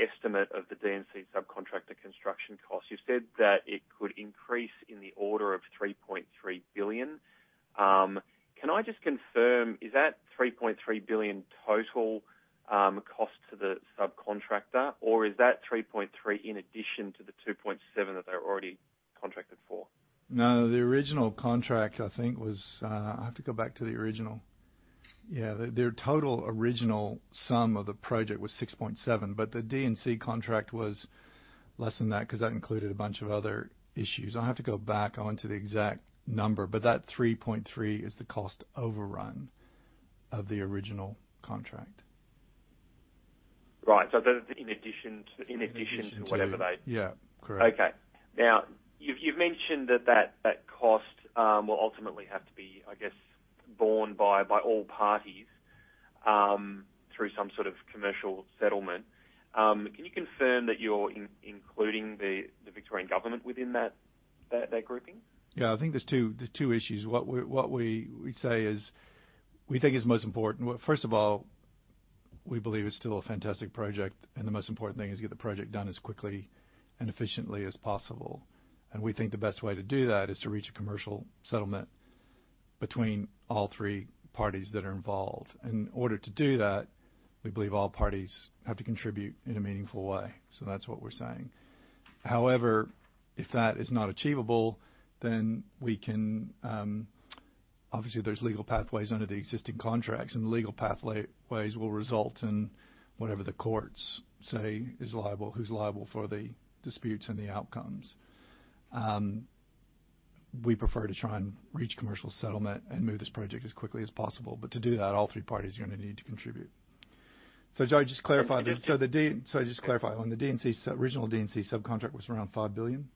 estimate of the D&C subcontractor construction cost. You said that it could increase in the order of 3.3 billion. Can I just confirm, is that 3.3 billion total cost to the subcontractor, or is that 3.3 billion in addition to the 2.7 billion that they're already contracted for? No, the original contract I think was I have to go back to the original. Yeah, their total original sum of the project was 6.7, but the D&C contract was less than that because that included a bunch of other issues. I have to go back onto the exact number, but that 3.3 is the cost overrun of the original contract. Right. That is in addition to. whatever they- Yeah, correct. Okay. You've mentioned that that cost will ultimately have to be, I guess, borne by all parties through some sort of commercial settlement. Can you confirm that you're including the Victorian Government within that grouping? Yeah, I think there's two issues. What we say is we think it's most important. Well, first of all, we believe it's still a fantastic project, and the most important thing is to get the project done as quickly and efficiently as possible. We think the best way to do that is to reach a commercial settlement between all three parties that are involved. In order to do that, we believe all parties have to contribute in a meaningful way. That's what we're saying. However, if that is not achievable, then obviously there's legal pathways under the existing contracts, and the legal pathways will result in whatever the courts say is liable, who's liable for the disputes and the outcomes. We prefer to try and reach commercial settlement and move this project as quickly as possible. To do that, all three parties are gonna need to contribute. Joe, just to clarify, on the original D&C subcontract was around 5 billion?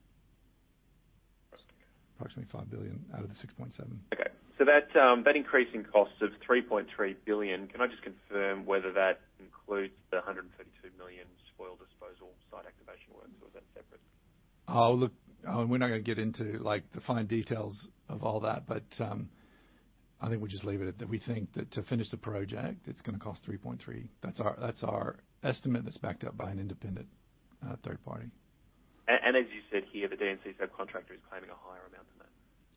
Approximately. Approximately 5 billion out of the 6.7. Okay. That increasing cost of 3.3 billion, can I just confirm whether that includes the 132 million spoil disposal site activation works, or is that separate? Oh, look, Owen, we're not gonna get into the fine details of all that. I think we'll just leave it at that. We think that to finish the project, it's gonna cost 3.3. That's our estimate that's backed up by an independent third party. As you said here, the D&C subcontractor is claiming a higher amount than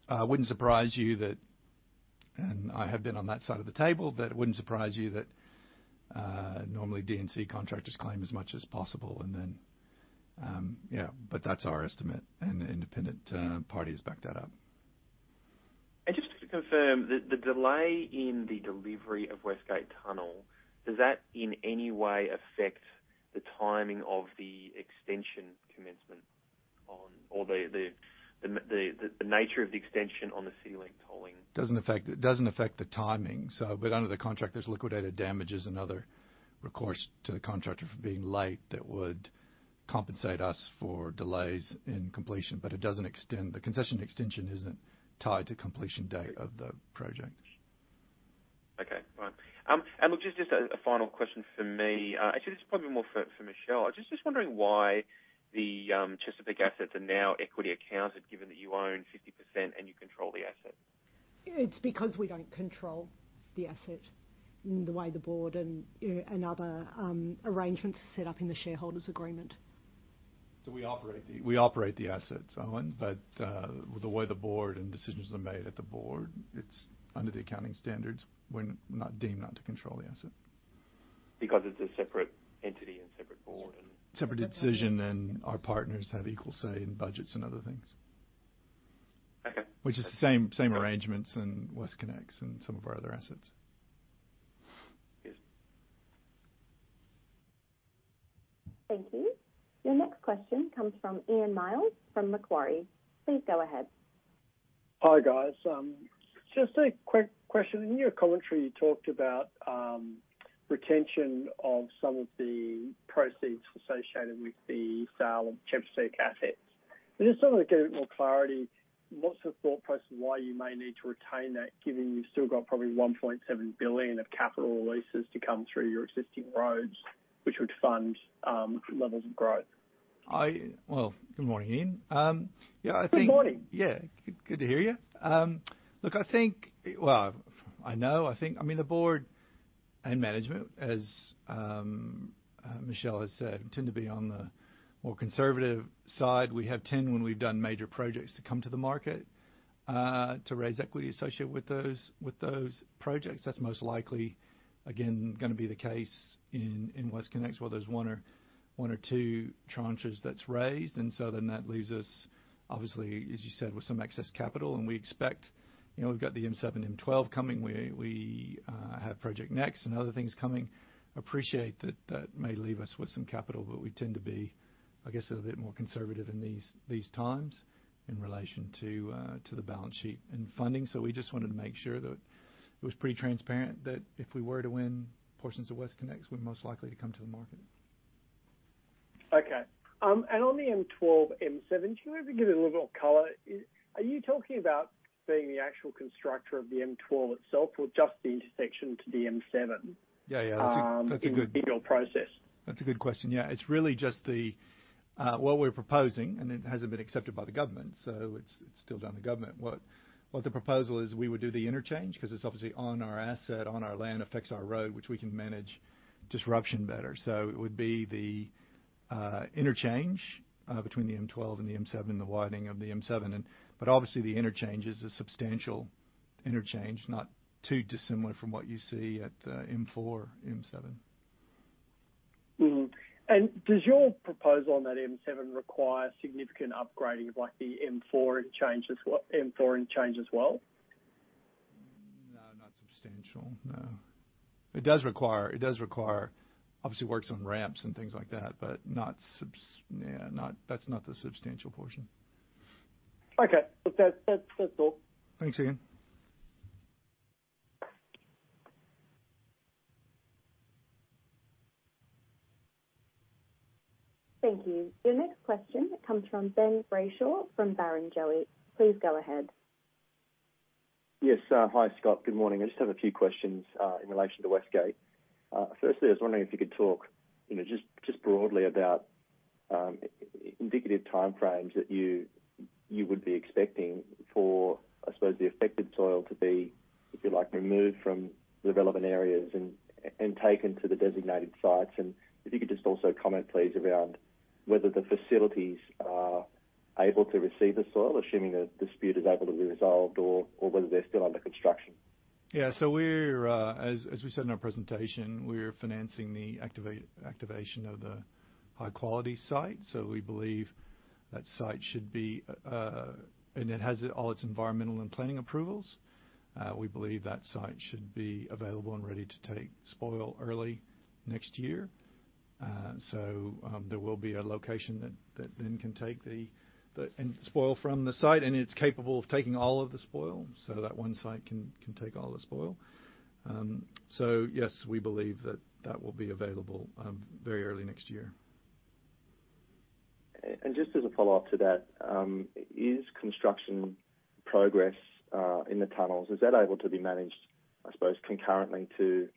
that. It wouldn't surprise you that, and I have been on that side of the table, but it wouldn't surprise you that normally D&C contractors claim as much as possible. That's our estimate, and independent parties back that up. Just to confirm, the delay in the delivery of West Gate Tunnel, does that in any way affect the timing of the extension commencement on, or the nature of the extension on the CityLink tolling? It doesn't affect the timing. Under the contract, there's liquidated damages and other recourse to the contractor for being late that would compensate us for delays in completion. It doesn't extend. The concession extension isn't tied to completion date of the project. Okay. Fine. Look, just a final question from me. Actually, this is probably more for Michelle. I was just wondering why the Chesapeake assets are now equity accounted given that you own 50% and you control the asset. It's because we don't control the asset in the way the board and other arrangements are set up in the shareholders' agreement. We operate the assets, Owen. The way the board and decisions are made at the board, it is under the accounting standards, we are deemed not to control the asset. It's a separate entity and separate board. Separate decision- Separate decision, our partners have equal say in budgets and other things. Okay Which is the same arrangements in WestConnex and some of our other assets. Yes. Thank you. Your next question comes from Ian Myles from Macquarie. Please go ahead. Hi, guys. Just a quick question. In your commentary, you talked about retention of some of the proceeds associated with the sale of Chesapeake assets. I just wanted to get a bit more clarity, what's the thought process why you may need to retain that, given you've still got probably 1.7 billion of capital releases to come through your existing roads, which would fund different levels of growth? Well, good morning, Ian. Good morning. Yeah. Good to hear you. Look, well, I know. I think, the board and management as Michelle has said, tend to be on the more conservative side. We have tended when we've done major projects to come to the market, to raise equity associated with those projects. That's most likely, again, gonna be the case in WestConnex, where there's one or two tranches that's raised. That leaves us, obviously, as you said, with some excess capital. We expect, we've got the M7, M12 coming. We have Project Next and other things coming. Appreciate that that may leave us with some capital, we tend to be, I guess, a little bit more conservative in these times in relation to the balance sheet and funding. We just wanted to make sure that it was pretty transparent, that if we were to win portions of WestConnex, we're most likely to come to the market. Okay. On the M12, M7, do you want to give it a little bit of color? Are you talking about being the actual constructor of the M12 itself or just the intersection to the M7? Yeah. In your process. That's a good question. It's really just what we're proposing, and it hasn't been accepted by the government, so it's still down the government. What the proposal is, we would do the interchange because it's obviously on our asset, on our land, affects our road, which we can manage disruption better. It would be the interchange between the M12 and the M7, the widening of the M7. Obviously the interchange is a substantial interchange, not too dissimilar from what you see at M4, M7. Does your proposal on that M7 require significant upgrading of like the M4 interchange as well? No, not substantial. No. It does require obviously works on ramps and things like that, but that's not the substantial portion. Okay. That's all. Thanks, Ian. Thank you. Your next question comes from Ben Brayshaw from Barrenjoey. Please go ahead. Yes. Hi, Scott. Good morning. I just have a few questions in relation to West Gate. Firstly, I was wondering if you could talk, just broadly about indicative time frames that you would be expecting for, I suppose, the affected soil to be, if you like, removed from the relevant areas and taken to the designated sites. If you could just also comment, please, around whether the facilities are able to receive the soil, assuming the dispute is able to be resolved, or whether they're still under construction? Yeah. We're, as we said in our presentation, we're financing the activation of the high-quality site. We believe that site should be, and it has all its environmental and planning approvals. We believe that site should be available and ready to take spoil early next year. There will be a location that then can take the end spoil from the site, and it's capable of taking all of the spoil. That one site can take all the spoil. Yes, we believe that that will be available very early next year. Just as a follow-up to that, is construction progress, in the tunnels, is that able to be managed, I suppose, concurrently to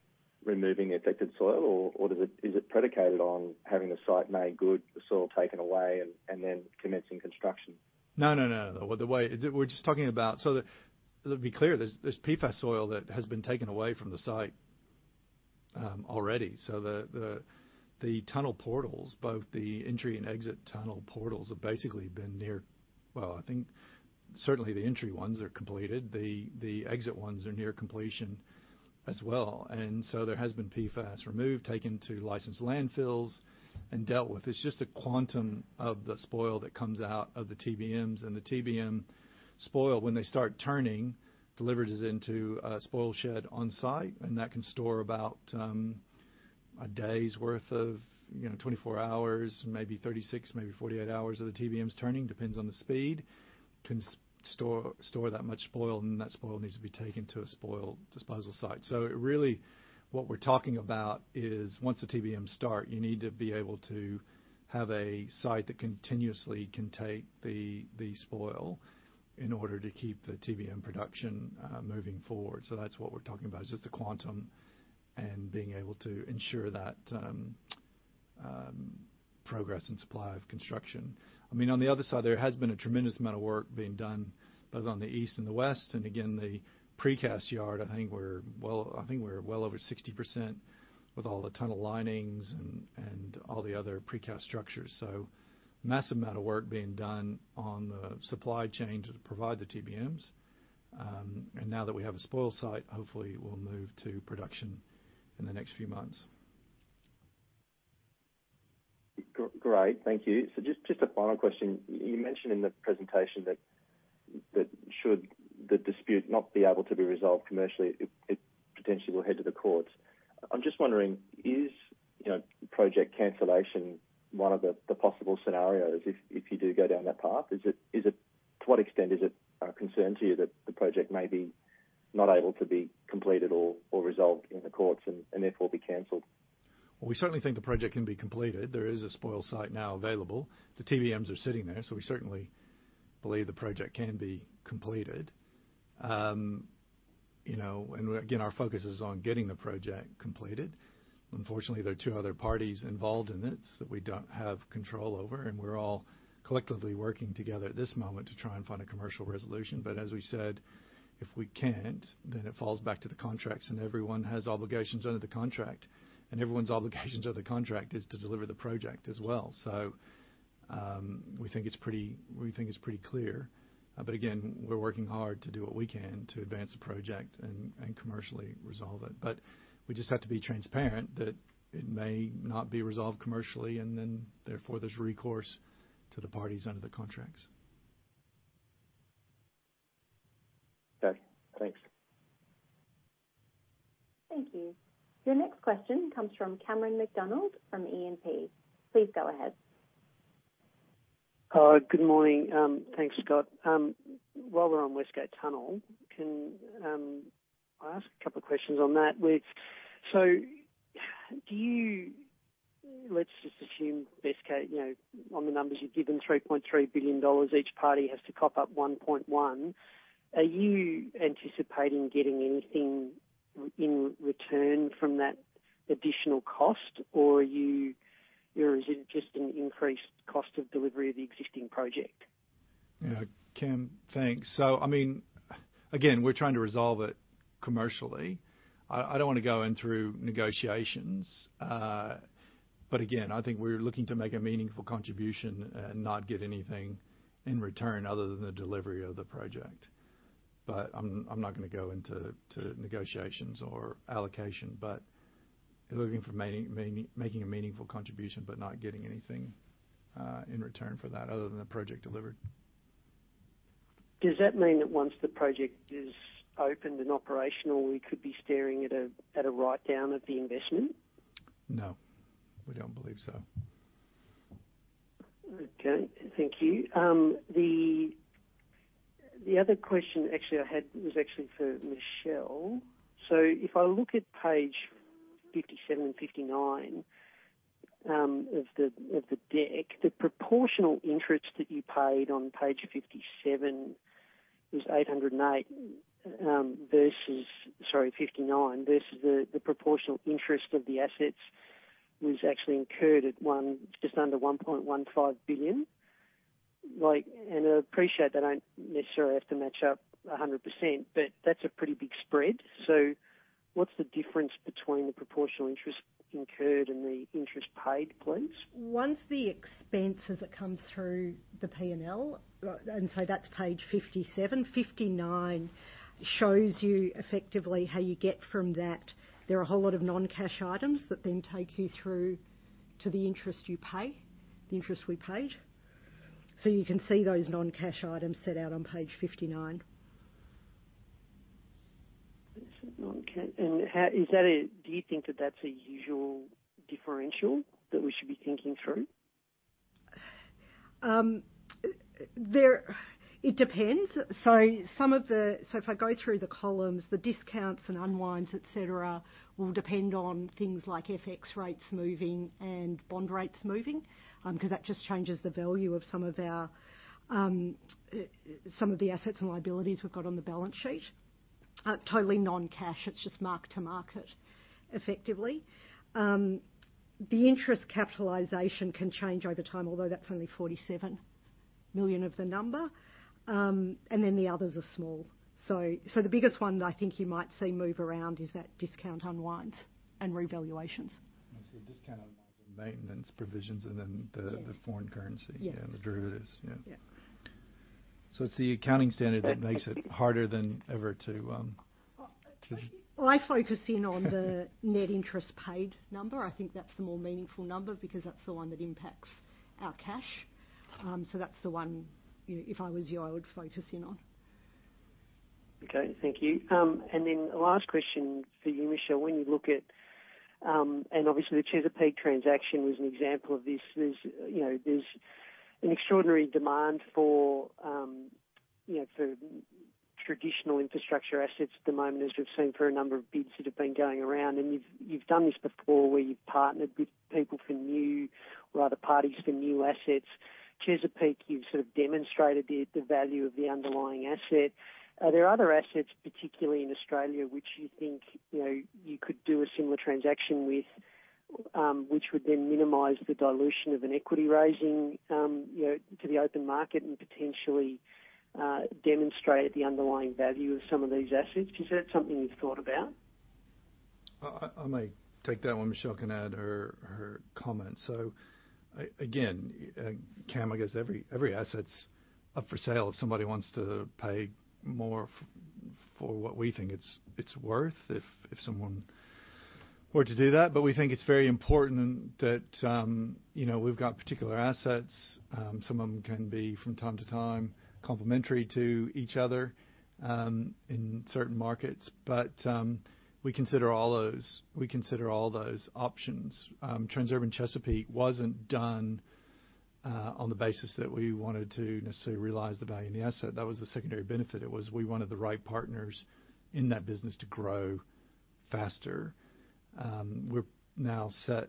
removing the affected soil, or is it predicated on having the site made good, the soil taken away, and then commencing construction? We're just talking about that it'll be clear, there's PFAS soil that has been taken away from the site already. The tunnel portals, both the entry and exit tunnel portals, have basically been near, certainly the entry ones are completed. The exit ones are near completion as well. There has been PFAS removed, taken to licensed landfills and dealt with. It's just the quantum of the spoil that comes out of the TBMs. The TBM spoil, when they start turning, delivers it into a spoil shed on-site, and that can store about a day's worth of, 24 hours, maybe 36, maybe 48 hours of the TBMs turning, depends on the speed, can store that much spoil, and that spoil needs to be taken to a spoil disposal site. It really, what we're talking about is once the TBM start, you need to be able to have a site that continuously can take the spoil in order to keep the TBM production moving forward. That's what we're talking about, is just the quantum and being able to ensure that progress and supply of construction. On the other side, there has been a tremendous amount of work being done both on the east and the west. Again, the precast yard, I think we're well over 60% with all the tunnel linings and all the other precast structures. Massive amount of work being done on the supply chain to provide the TBMs. Now that we have a spoil site, hopefully we'll move to production in the next few months. Great. Thank you. Just a final question. You mentioned in the presentation that should the dispute not be able to be resolved commercially, it potentially will head to the courts. I'm just wondering, is project cancellation one of the possible scenarios if you do go down that path? To what extent is it a concern to you that the project may be not able to be completed or resolved in the courts and therefore be canceled? Well, we certainly think the project can be completed. There is a spoils site now available. The TBMs are sitting there, so we certainly believe the project can be completed. Again, our focus is on getting the project completed. Unfortunately, there are two other parties involved in it that we don't have control over, and we're all collectively working together at this moment to try and find a commercial resolution. As we said, if we can't, then it falls back to the contracts, and everyone has obligations under the contract, and everyone's obligations under the contract is to deliver the project as well. We think it's pretty clear. Again, we're working hard to do what we can to advance the project and commercially resolve it. We just have to be transparent that it may not be resolved commercially, and then therefore, there's recourse to the parties under the contracts. Okay, thanks. Thank you. Your next question comes from Cameron McDonald from E&P. Please go ahead. Good morning. Thanks, Scott. While we're on West Gate Tunnel, can I ask a couple of questions on that? Let's just assume West Gate, on the numbers you've given, 3.3 billion dollars, each party has to cough up 1.1 billion. Are you anticipating getting anything in return from that additional cost, or is it just an increased cost of delivery of the existing project? Cam, thanks. Again, we're trying to resolve it commercially. I don't want to go in through negotiations. Again, I think we're looking to make a meaningful contribution and not get anything in return other than the delivery of the project. I'm not going to go into negotiations or allocation. We're looking for making a meaningful contribution, but not getting anything in return for that other than the project delivered. Does that mean that once the project is opened and operational, we could be staring at a write-down of the investment? No, we don't believe so. Okay. Thank you. The other question actually I had was actually for Michelle. If I look at page 57 and 59 of the deck, the proportional interest that you paid on page 57 was 808 versus, sorry, 59, versus the proportional interest of the assets was actually incurred at just under 1.15 billion. I appreciate they don't necessarily have to match up 100%, but that's a pretty big spread. What's the difference between the proportional interest incurred and the interest paid, please? Once the expense as it comes through the P&L, and so that's page 57, 59 shows you effectively how you get from that. There are a whole lot of non-cash items that then take you through to the interest you pay, the interest we paid. You can see those non-cash items set out on page 59. Non-cash. Do you think that that's a usual differential that we should be thinking through? It depends. If I go through the columns, the discounts and unwinds, et cetera, will depend on things like FX rates moving and bond rates moving, because that just changes the value of some of the assets and liabilities we've got on the balance sheet. Totally non-cash. It's just mark-to-market, effectively. The interest capitalization can change over time, although that's only 47 million of the number, and then the others are small. The biggest one that I think you might see move around is that discount unwinds and revaluations. Discount unwinds and maintenance provisions and then the foreign currency- Yeah The derivatives. Yeah. Yeah. It's the accounting standard that makes it harder than ever. I focus in on the net interest paid number. I think that's the more meaningful number because that's the one that impacts our cash. That's the one, if I was you, I would focus in on. Okay. Thank you. Last question for you, Michelle. When you look at, and obviously the Chesapeake transaction was an example of this, there's an extraordinary demand for traditional infrastructure assets at the moment, as we've seen for a number of bids that have been going around, and you've done this before where you've partnered with people for new or other parties for new assets. Chesapeake, you've sort of demonstrated the value of the underlying asset. Are there other assets, particularly in Australia, which you think you could do a similar transaction with, which would then minimize the dilution of an equity raising to the open market and potentially demonstrate the underlying value of some of these assets? Is that something you've thought about? I might take that one. Michelle can add her comment. Again, Cam, I guess every asset's up for sale. If somebody wants to pay more For what we think it's worth, if someone were to do that. We think it's very important that we've got particular assets. Some of them can be, from time to time, complementary to each other in certain markets. We consider all those options. Transurban Chesapeake wasn't done on the basis that we wanted to necessarily realize the value in the asset. That was the secondary benefit. It was, we wanted the right partners in that business to grow faster. We're now set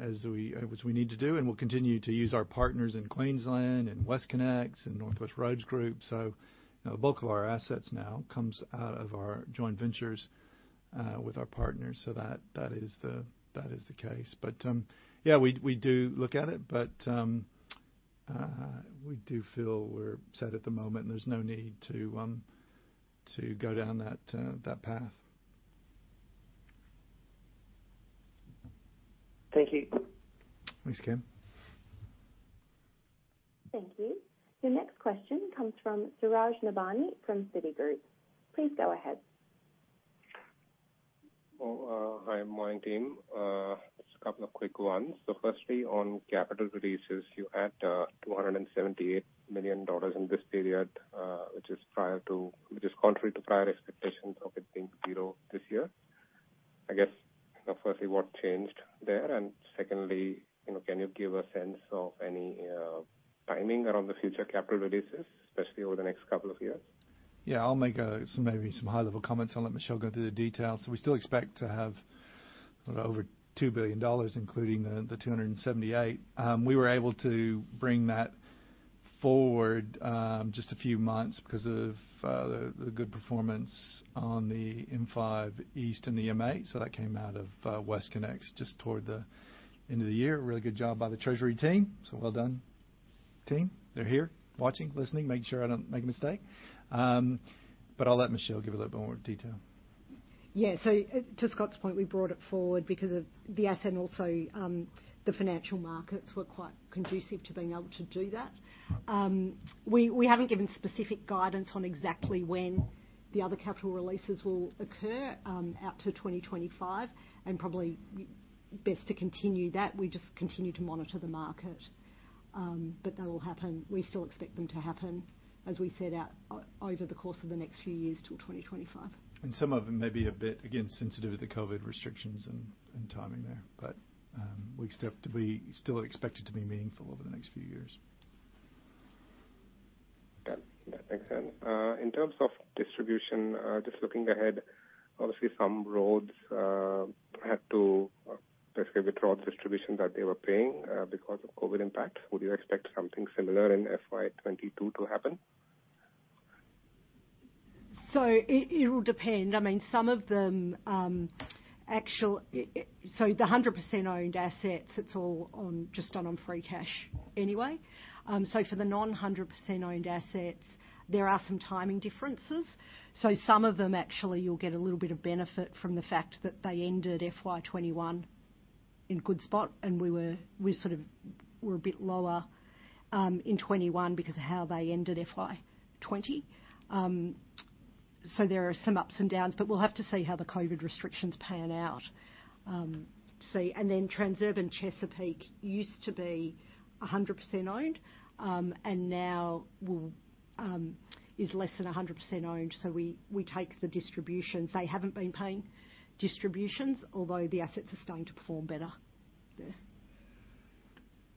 as we need to do, and we'll continue to use our partners in Queensland and WestConnex and NorthWestern Roads Group. The bulk of our assets now comes out of our joint ventures with our partners. That is the case. Yeah, we do look at it, but we do feel we're set at the moment, and there's no need to go down that path. Thank you. Thanks, Cam. Thank you. Your next question comes from Suraj Nebhani from Citigroup. Please go ahead. Hi morning team. Just a couple of quick ones. Firstly, on capital releases, you had 278 million dollars in this period, which is contrary to prior expectations of it being zero this year. I guess, firstly, what changed there? Secondly, can you give a sense of any timing around the future capital releases, especially over the next two years? Yeah, I'll make maybe some high-level comments and let Michelle go through the details. We still expect to have over 2 billion dollars, including the 278. We were able to bring that forward just a few months because of the good performance on the M5 East and the M8. That came out of WestConnex just toward the end of the year. A really good job by the treasury team. Well done, team. They're here, watching, listening, making sure I don't make a mistake. I'll let Michelle give a little bit more detail. To Scott's point, we brought it forward because of the asset and also the financial markets were quite conducive to being able to do that. We haven't given specific guidance on exactly when the other capital releases will occur out to 2025, and probably best to continue that. We just continue to monitor the market. That will happen. We still expect them to happen, as we said, over the course of the next few years till 2025. Some of them may be a bit, again, sensitive to the COVID restrictions and timing there. We still expect it to be meaningful over the next few years. Yeah, makes sense. In terms of distribution, just looking ahead, obviously some roads had to basically withdraw the distribution that they were paying because of COVID-19 impact. Would you expect something similar in FY 2022 to happen? It will depend. The 100% owned assets, it's all just done on free cash anyway. For the non-100% owned assets, there are some timing differences. Some of them actually you'll get a little bit of benefit from the fact that they ended FY 2021 in good spot, and we sort of were a bit lower in 2021 because of how they ended FY 2020. There are some ups and downs, but we'll have to see how the COVID restrictions pan out. Transurban Chesapeake used to be 100% owned, and now is less than 100% owned. We take the distributions. They haven't been paying distributions, although the assets are starting to perform better there.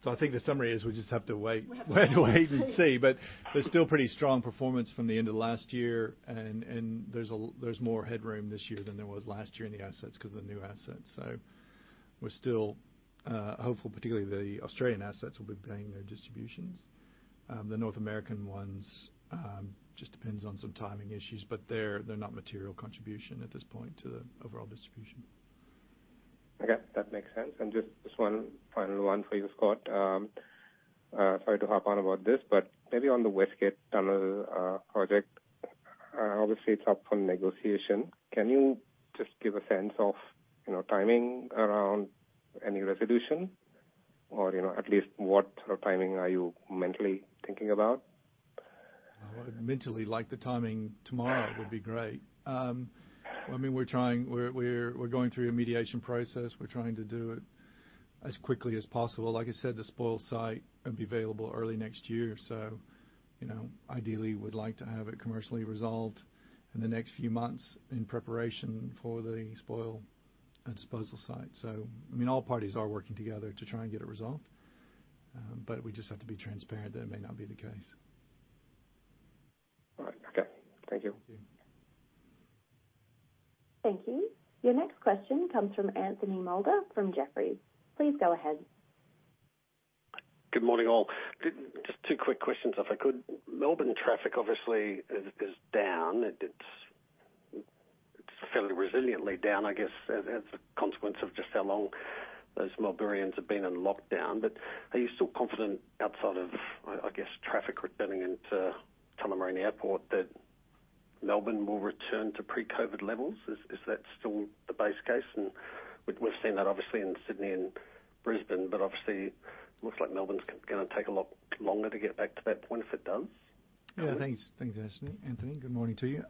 I think the summary is we just have to wait and see. There's still pretty strong performance from the end of last year, and there's more headroom this year than there was last year in the assets because of the new assets. We're still hopeful, particularly the Australian assets will be paying their distributions. The North American ones just depends on some timing issues, but they're not material contribution at this point to the overall distribution. Okay. That makes sense. Just this one final one for you, Scott. Sorry to harp on about this, but maybe on the West Gate Tunnel project. Obviously, it's up for negotiation. Can you just give a sense of timing around any resolution? At least what sort of timing are you mentally thinking about? Well, mentally, like the timing tomorrow would be great. We're going through a mediation process. We're trying to do it as quickly as possible. Like I said, the spoil site will be available early next year. Ideally, we'd like to have it commercially resolved in the next few months in preparation for the spoil disposal site. All parties are working together to try and get a result. We just have to be transparent that it may not be the case. All right. Okay. Thank you. Thank you. Your next question comes from Anthony Moulder from Jefferies. Please go ahead. Good morning, all. Just two quick questions if I could. Melbourne traffic obviously is down. It's fairly resiliently down, I guess, as a consequence of just how long those Melburnians have been in lockdown. Are you still confident outside of, I guess, traffic returning into Tullamarine Airport, that Melbourne will return to pre-COVID levels? Is that still the base case? We've seen that obviously in Sydney and Brisbane, but obviously it looks like Melbourne's going to take a lot longer to get back to that point, if it does. Yeah, thanks, Anthony. Good morning to you.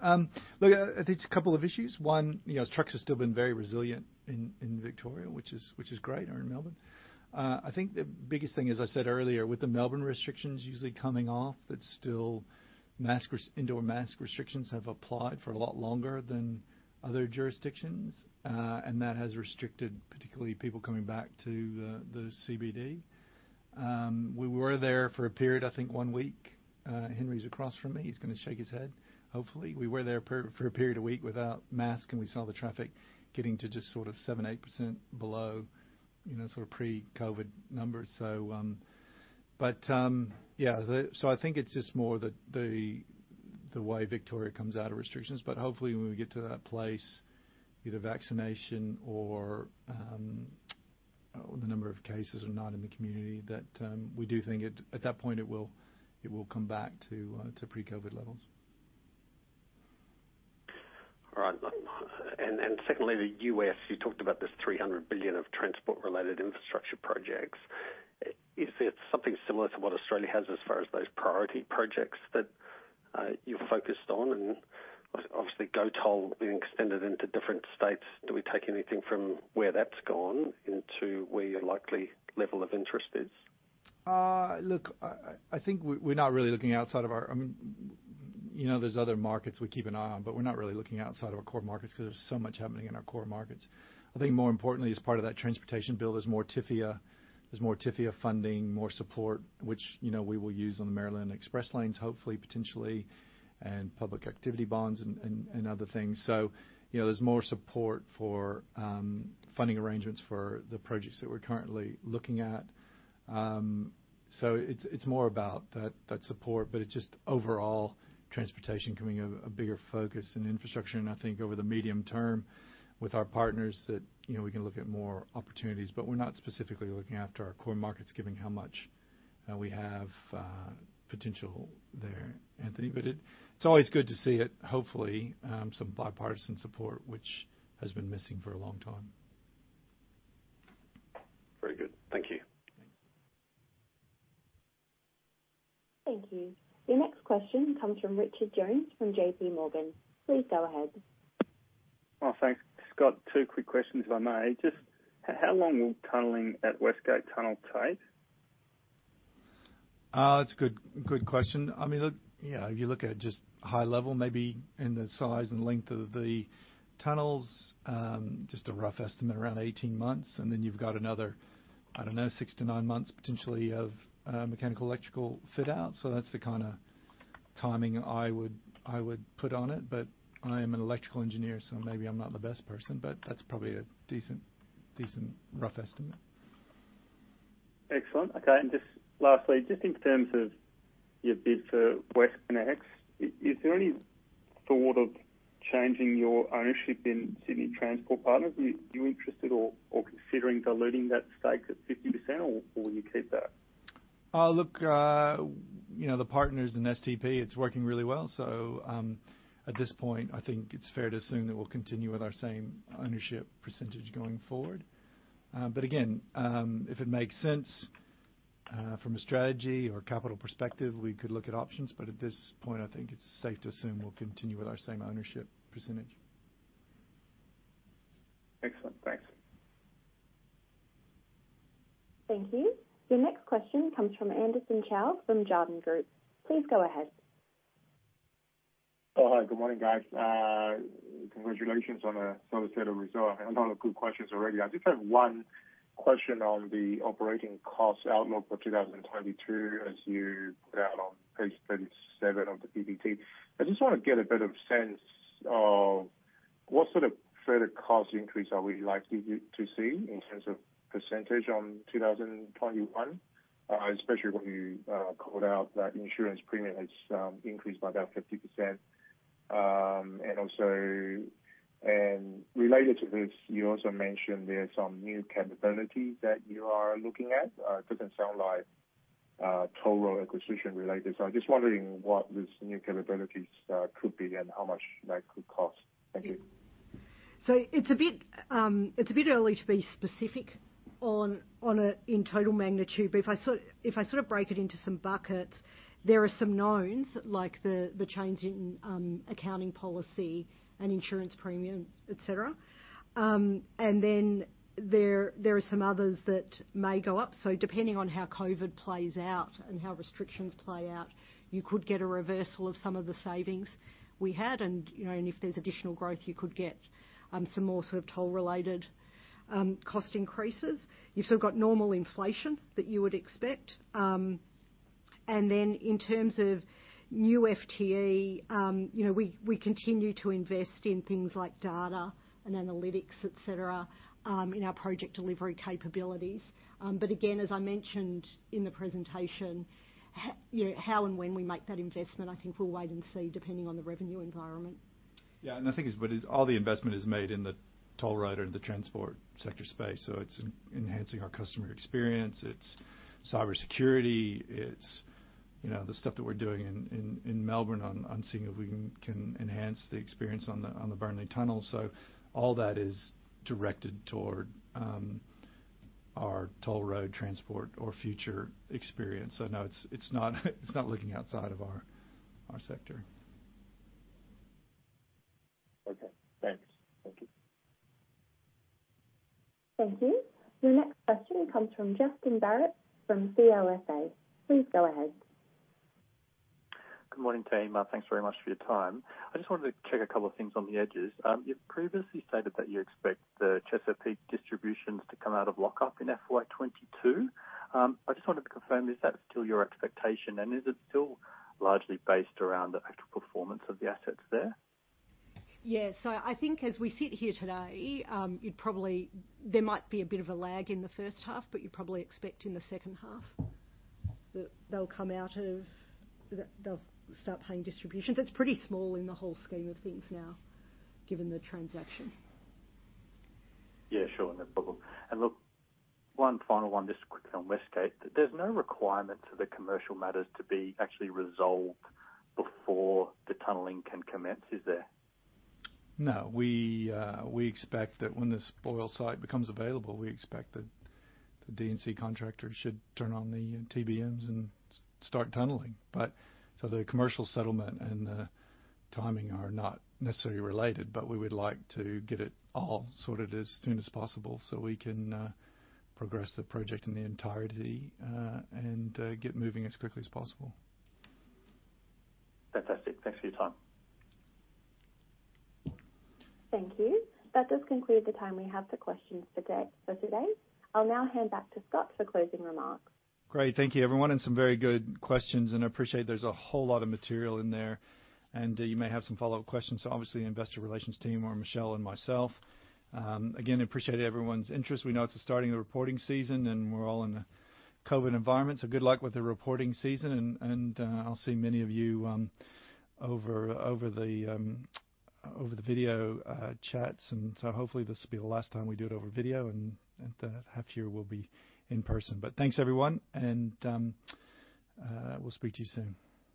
Look, I think it's a couple of issues. 1, trucks have still been very resilient in Victoria, which is great, or in Melbourne. I think the biggest thing, as I said earlier, with the Melbourne restrictions usually coming off, that still indoor mask restrictions have applied for a lot longer than other jurisdictions, and that has restricted particularly people coming back to the CBD. We were there for a period, I think one week. Henry's across from me, he's going to shake his head, hopefully. We were there for a period of one week without mask, and we saw the traffic getting to just sort of 7%, 8% below pre-COVID numbers. I think it's just more the way Victoria comes out of restrictions. Hopefully, when we get to that place, either vaccination or the number of cases are not in the community, that we do think at that point it will come back to pre-COVID levels. All right. Secondly, the U.S., you talked about this 300 billion of transport-related infrastructure projects. Is it something similar to what Australia has as far as those priority projects that you're focused on? Obviously GoToll being extended into different states. Do we take anything from where that's gone into where your likely level of interest is? There's other markets we keep an eye on, but we're not really looking outside of our core markets because there's so much happening in our core markets. I think more importantly, as part of that transportation build, there's more TIFIA funding, more support, which we will use on the Maryland Express Lanes, hopefully, potentially, and private activity bonds and other things. There's more support for funding arrangements for the projects that we're currently looking at. It's more about that support, it's just overall transportation becoming a bigger focus in infrastructure. I think over the medium term with our partners that we can look at more opportunities. We're not specifically looking after our core markets, given how much we have potential there, Anthony. It's always good to see it, hopefully, some bipartisan support, which has been missing for a long time. Very good. Thank you. Thanks. Thank you. The next question comes from Richard Jones from JPMorgan. Please go ahead. Thanks. Scott, two quick questions if I may. Just how long will tunneling at West Gate Tunnel take? That's a good question. If you look at just high level, maybe in the size and length of the tunnels, just a rough estimate, around 18 months. Then you've got another, I don't know, 6-9 months potentially of mechanical electrical fit out. That's the kind of timing I would put on it. I am an electrical engineer, so maybe I'm not the best person, but that's probably a decent rough estimate. Excellent. Okay. Just lastly, just in terms of your bid for WestConnex, is there any thought of changing your ownership in Sydney Transport Partners? Are you interested or considering diluting that stake to 50%, or will you keep that? Look, the partners in STP, it's working really well. At this point, I think it's fair to assume that we'll continue with our same ownership percentage going forward. Again, if it makes sense from a strategy or capital perspective, we could look at options. At this point, I think it's safe to assume we'll continue with our same ownership percentage. Excellent. Thanks. Thank you. The next question comes from Anderson Chow from Jarden. Please go ahead. Oh, hi. Good morning, guys. Congratulations on the set of results. A lot of good questions already. I just have 1 question on the operating cost outlook for 2022, as you put out on page 37 of the PPT. I just want to get a bit of sense of what sort of further cost increase are we likely to see in terms of percentage on 2021, especially when you called out that insurance premium has increased by about 50%. Related to this, you also mentioned there are some new capabilities that you are looking at. It doesn't sound like total acquisition related. I'm just wondering what these new capabilities could be and how much that could cost. Thank you. It's a bit early to be specific on it in total magnitude. If I sort of break it into some buckets, there are some knowns, like the change in accounting policy and insurance premium, et cetera. Then there are some others that may go up. Depending on how COVID plays out and how restrictions play out, you could get a reversal of some of the savings we had. If there's additional growth, you could get some more sort of toll-related cost increases. You've still got normal inflation that you would expect. Then in terms of new FTE, we continue to invest in things like data and analytics, et cetera, in our project delivery capabilities. Again, as I mentioned in the presentation, how and when we make that investment, I think we'll wait and see, depending on the revenue environment. Yeah. I think all the investment is made in the toll road or the transport sector space. It's enhancing our customer experience, it's cybersecurity, The stuff that we're doing in Melbourne on seeing if we can enhance the experience on the Burnley Tunnel. All that is directed toward our toll road transport or future experience. No, it's not looking outside of our sector. Okay, thanks. Thank you. Thank you. The next question comes from Justin Barratt of CLSA. Please go ahead. Good morning, team. Thanks very much for your time. I just wanted to check a couple of things on the edges. You've previously stated that you expect the Chesapeake distributions to come out of lock-up in FY 2022. I just wanted to confirm, is that still your expectation, and is it still largely based around the actual performance of the assets there? Yeah. I think as we sit here today, there might be a bit of a lag in the first half, but you probably expect in the second half that they will start paying distributions. It is pretty small in the whole scheme of things now, given the transaction. Yeah, sure. Look, one final one just quickly on West Gate. There's no requirement for the commercial matters to be actually resolved before the tunneling can commence, is there? No. We expect that when the spoil site becomes available, we expect that the D&C contractor should turn on the TBMs and start tunneling. The commercial settlement and the timing are not necessarily related. We would like to get it all sorted as soon as possible so we can progress the project in its entirety, and get moving as quickly as possible. Fantastic. Thanks for your time. Thank you. That does conclude the time we have for questions for today. I will now hand back to Scott for closing remarks. Great. Thank you everyone, and some very good questions, and I appreciate there's a whole lot of material in there, and you may have some follow-up questions. Obviously, investor relations team or Michelle and myself. Again, appreciate everyone's interest. We know it's the starting of the reporting season, and we're all in a COVID environment, so good luck with the reporting season and I'll see many of you over the video chats. Hopefully this will be the last time we do it over video, and half year will be in person. Thanks, everyone, and we'll speak to you soon.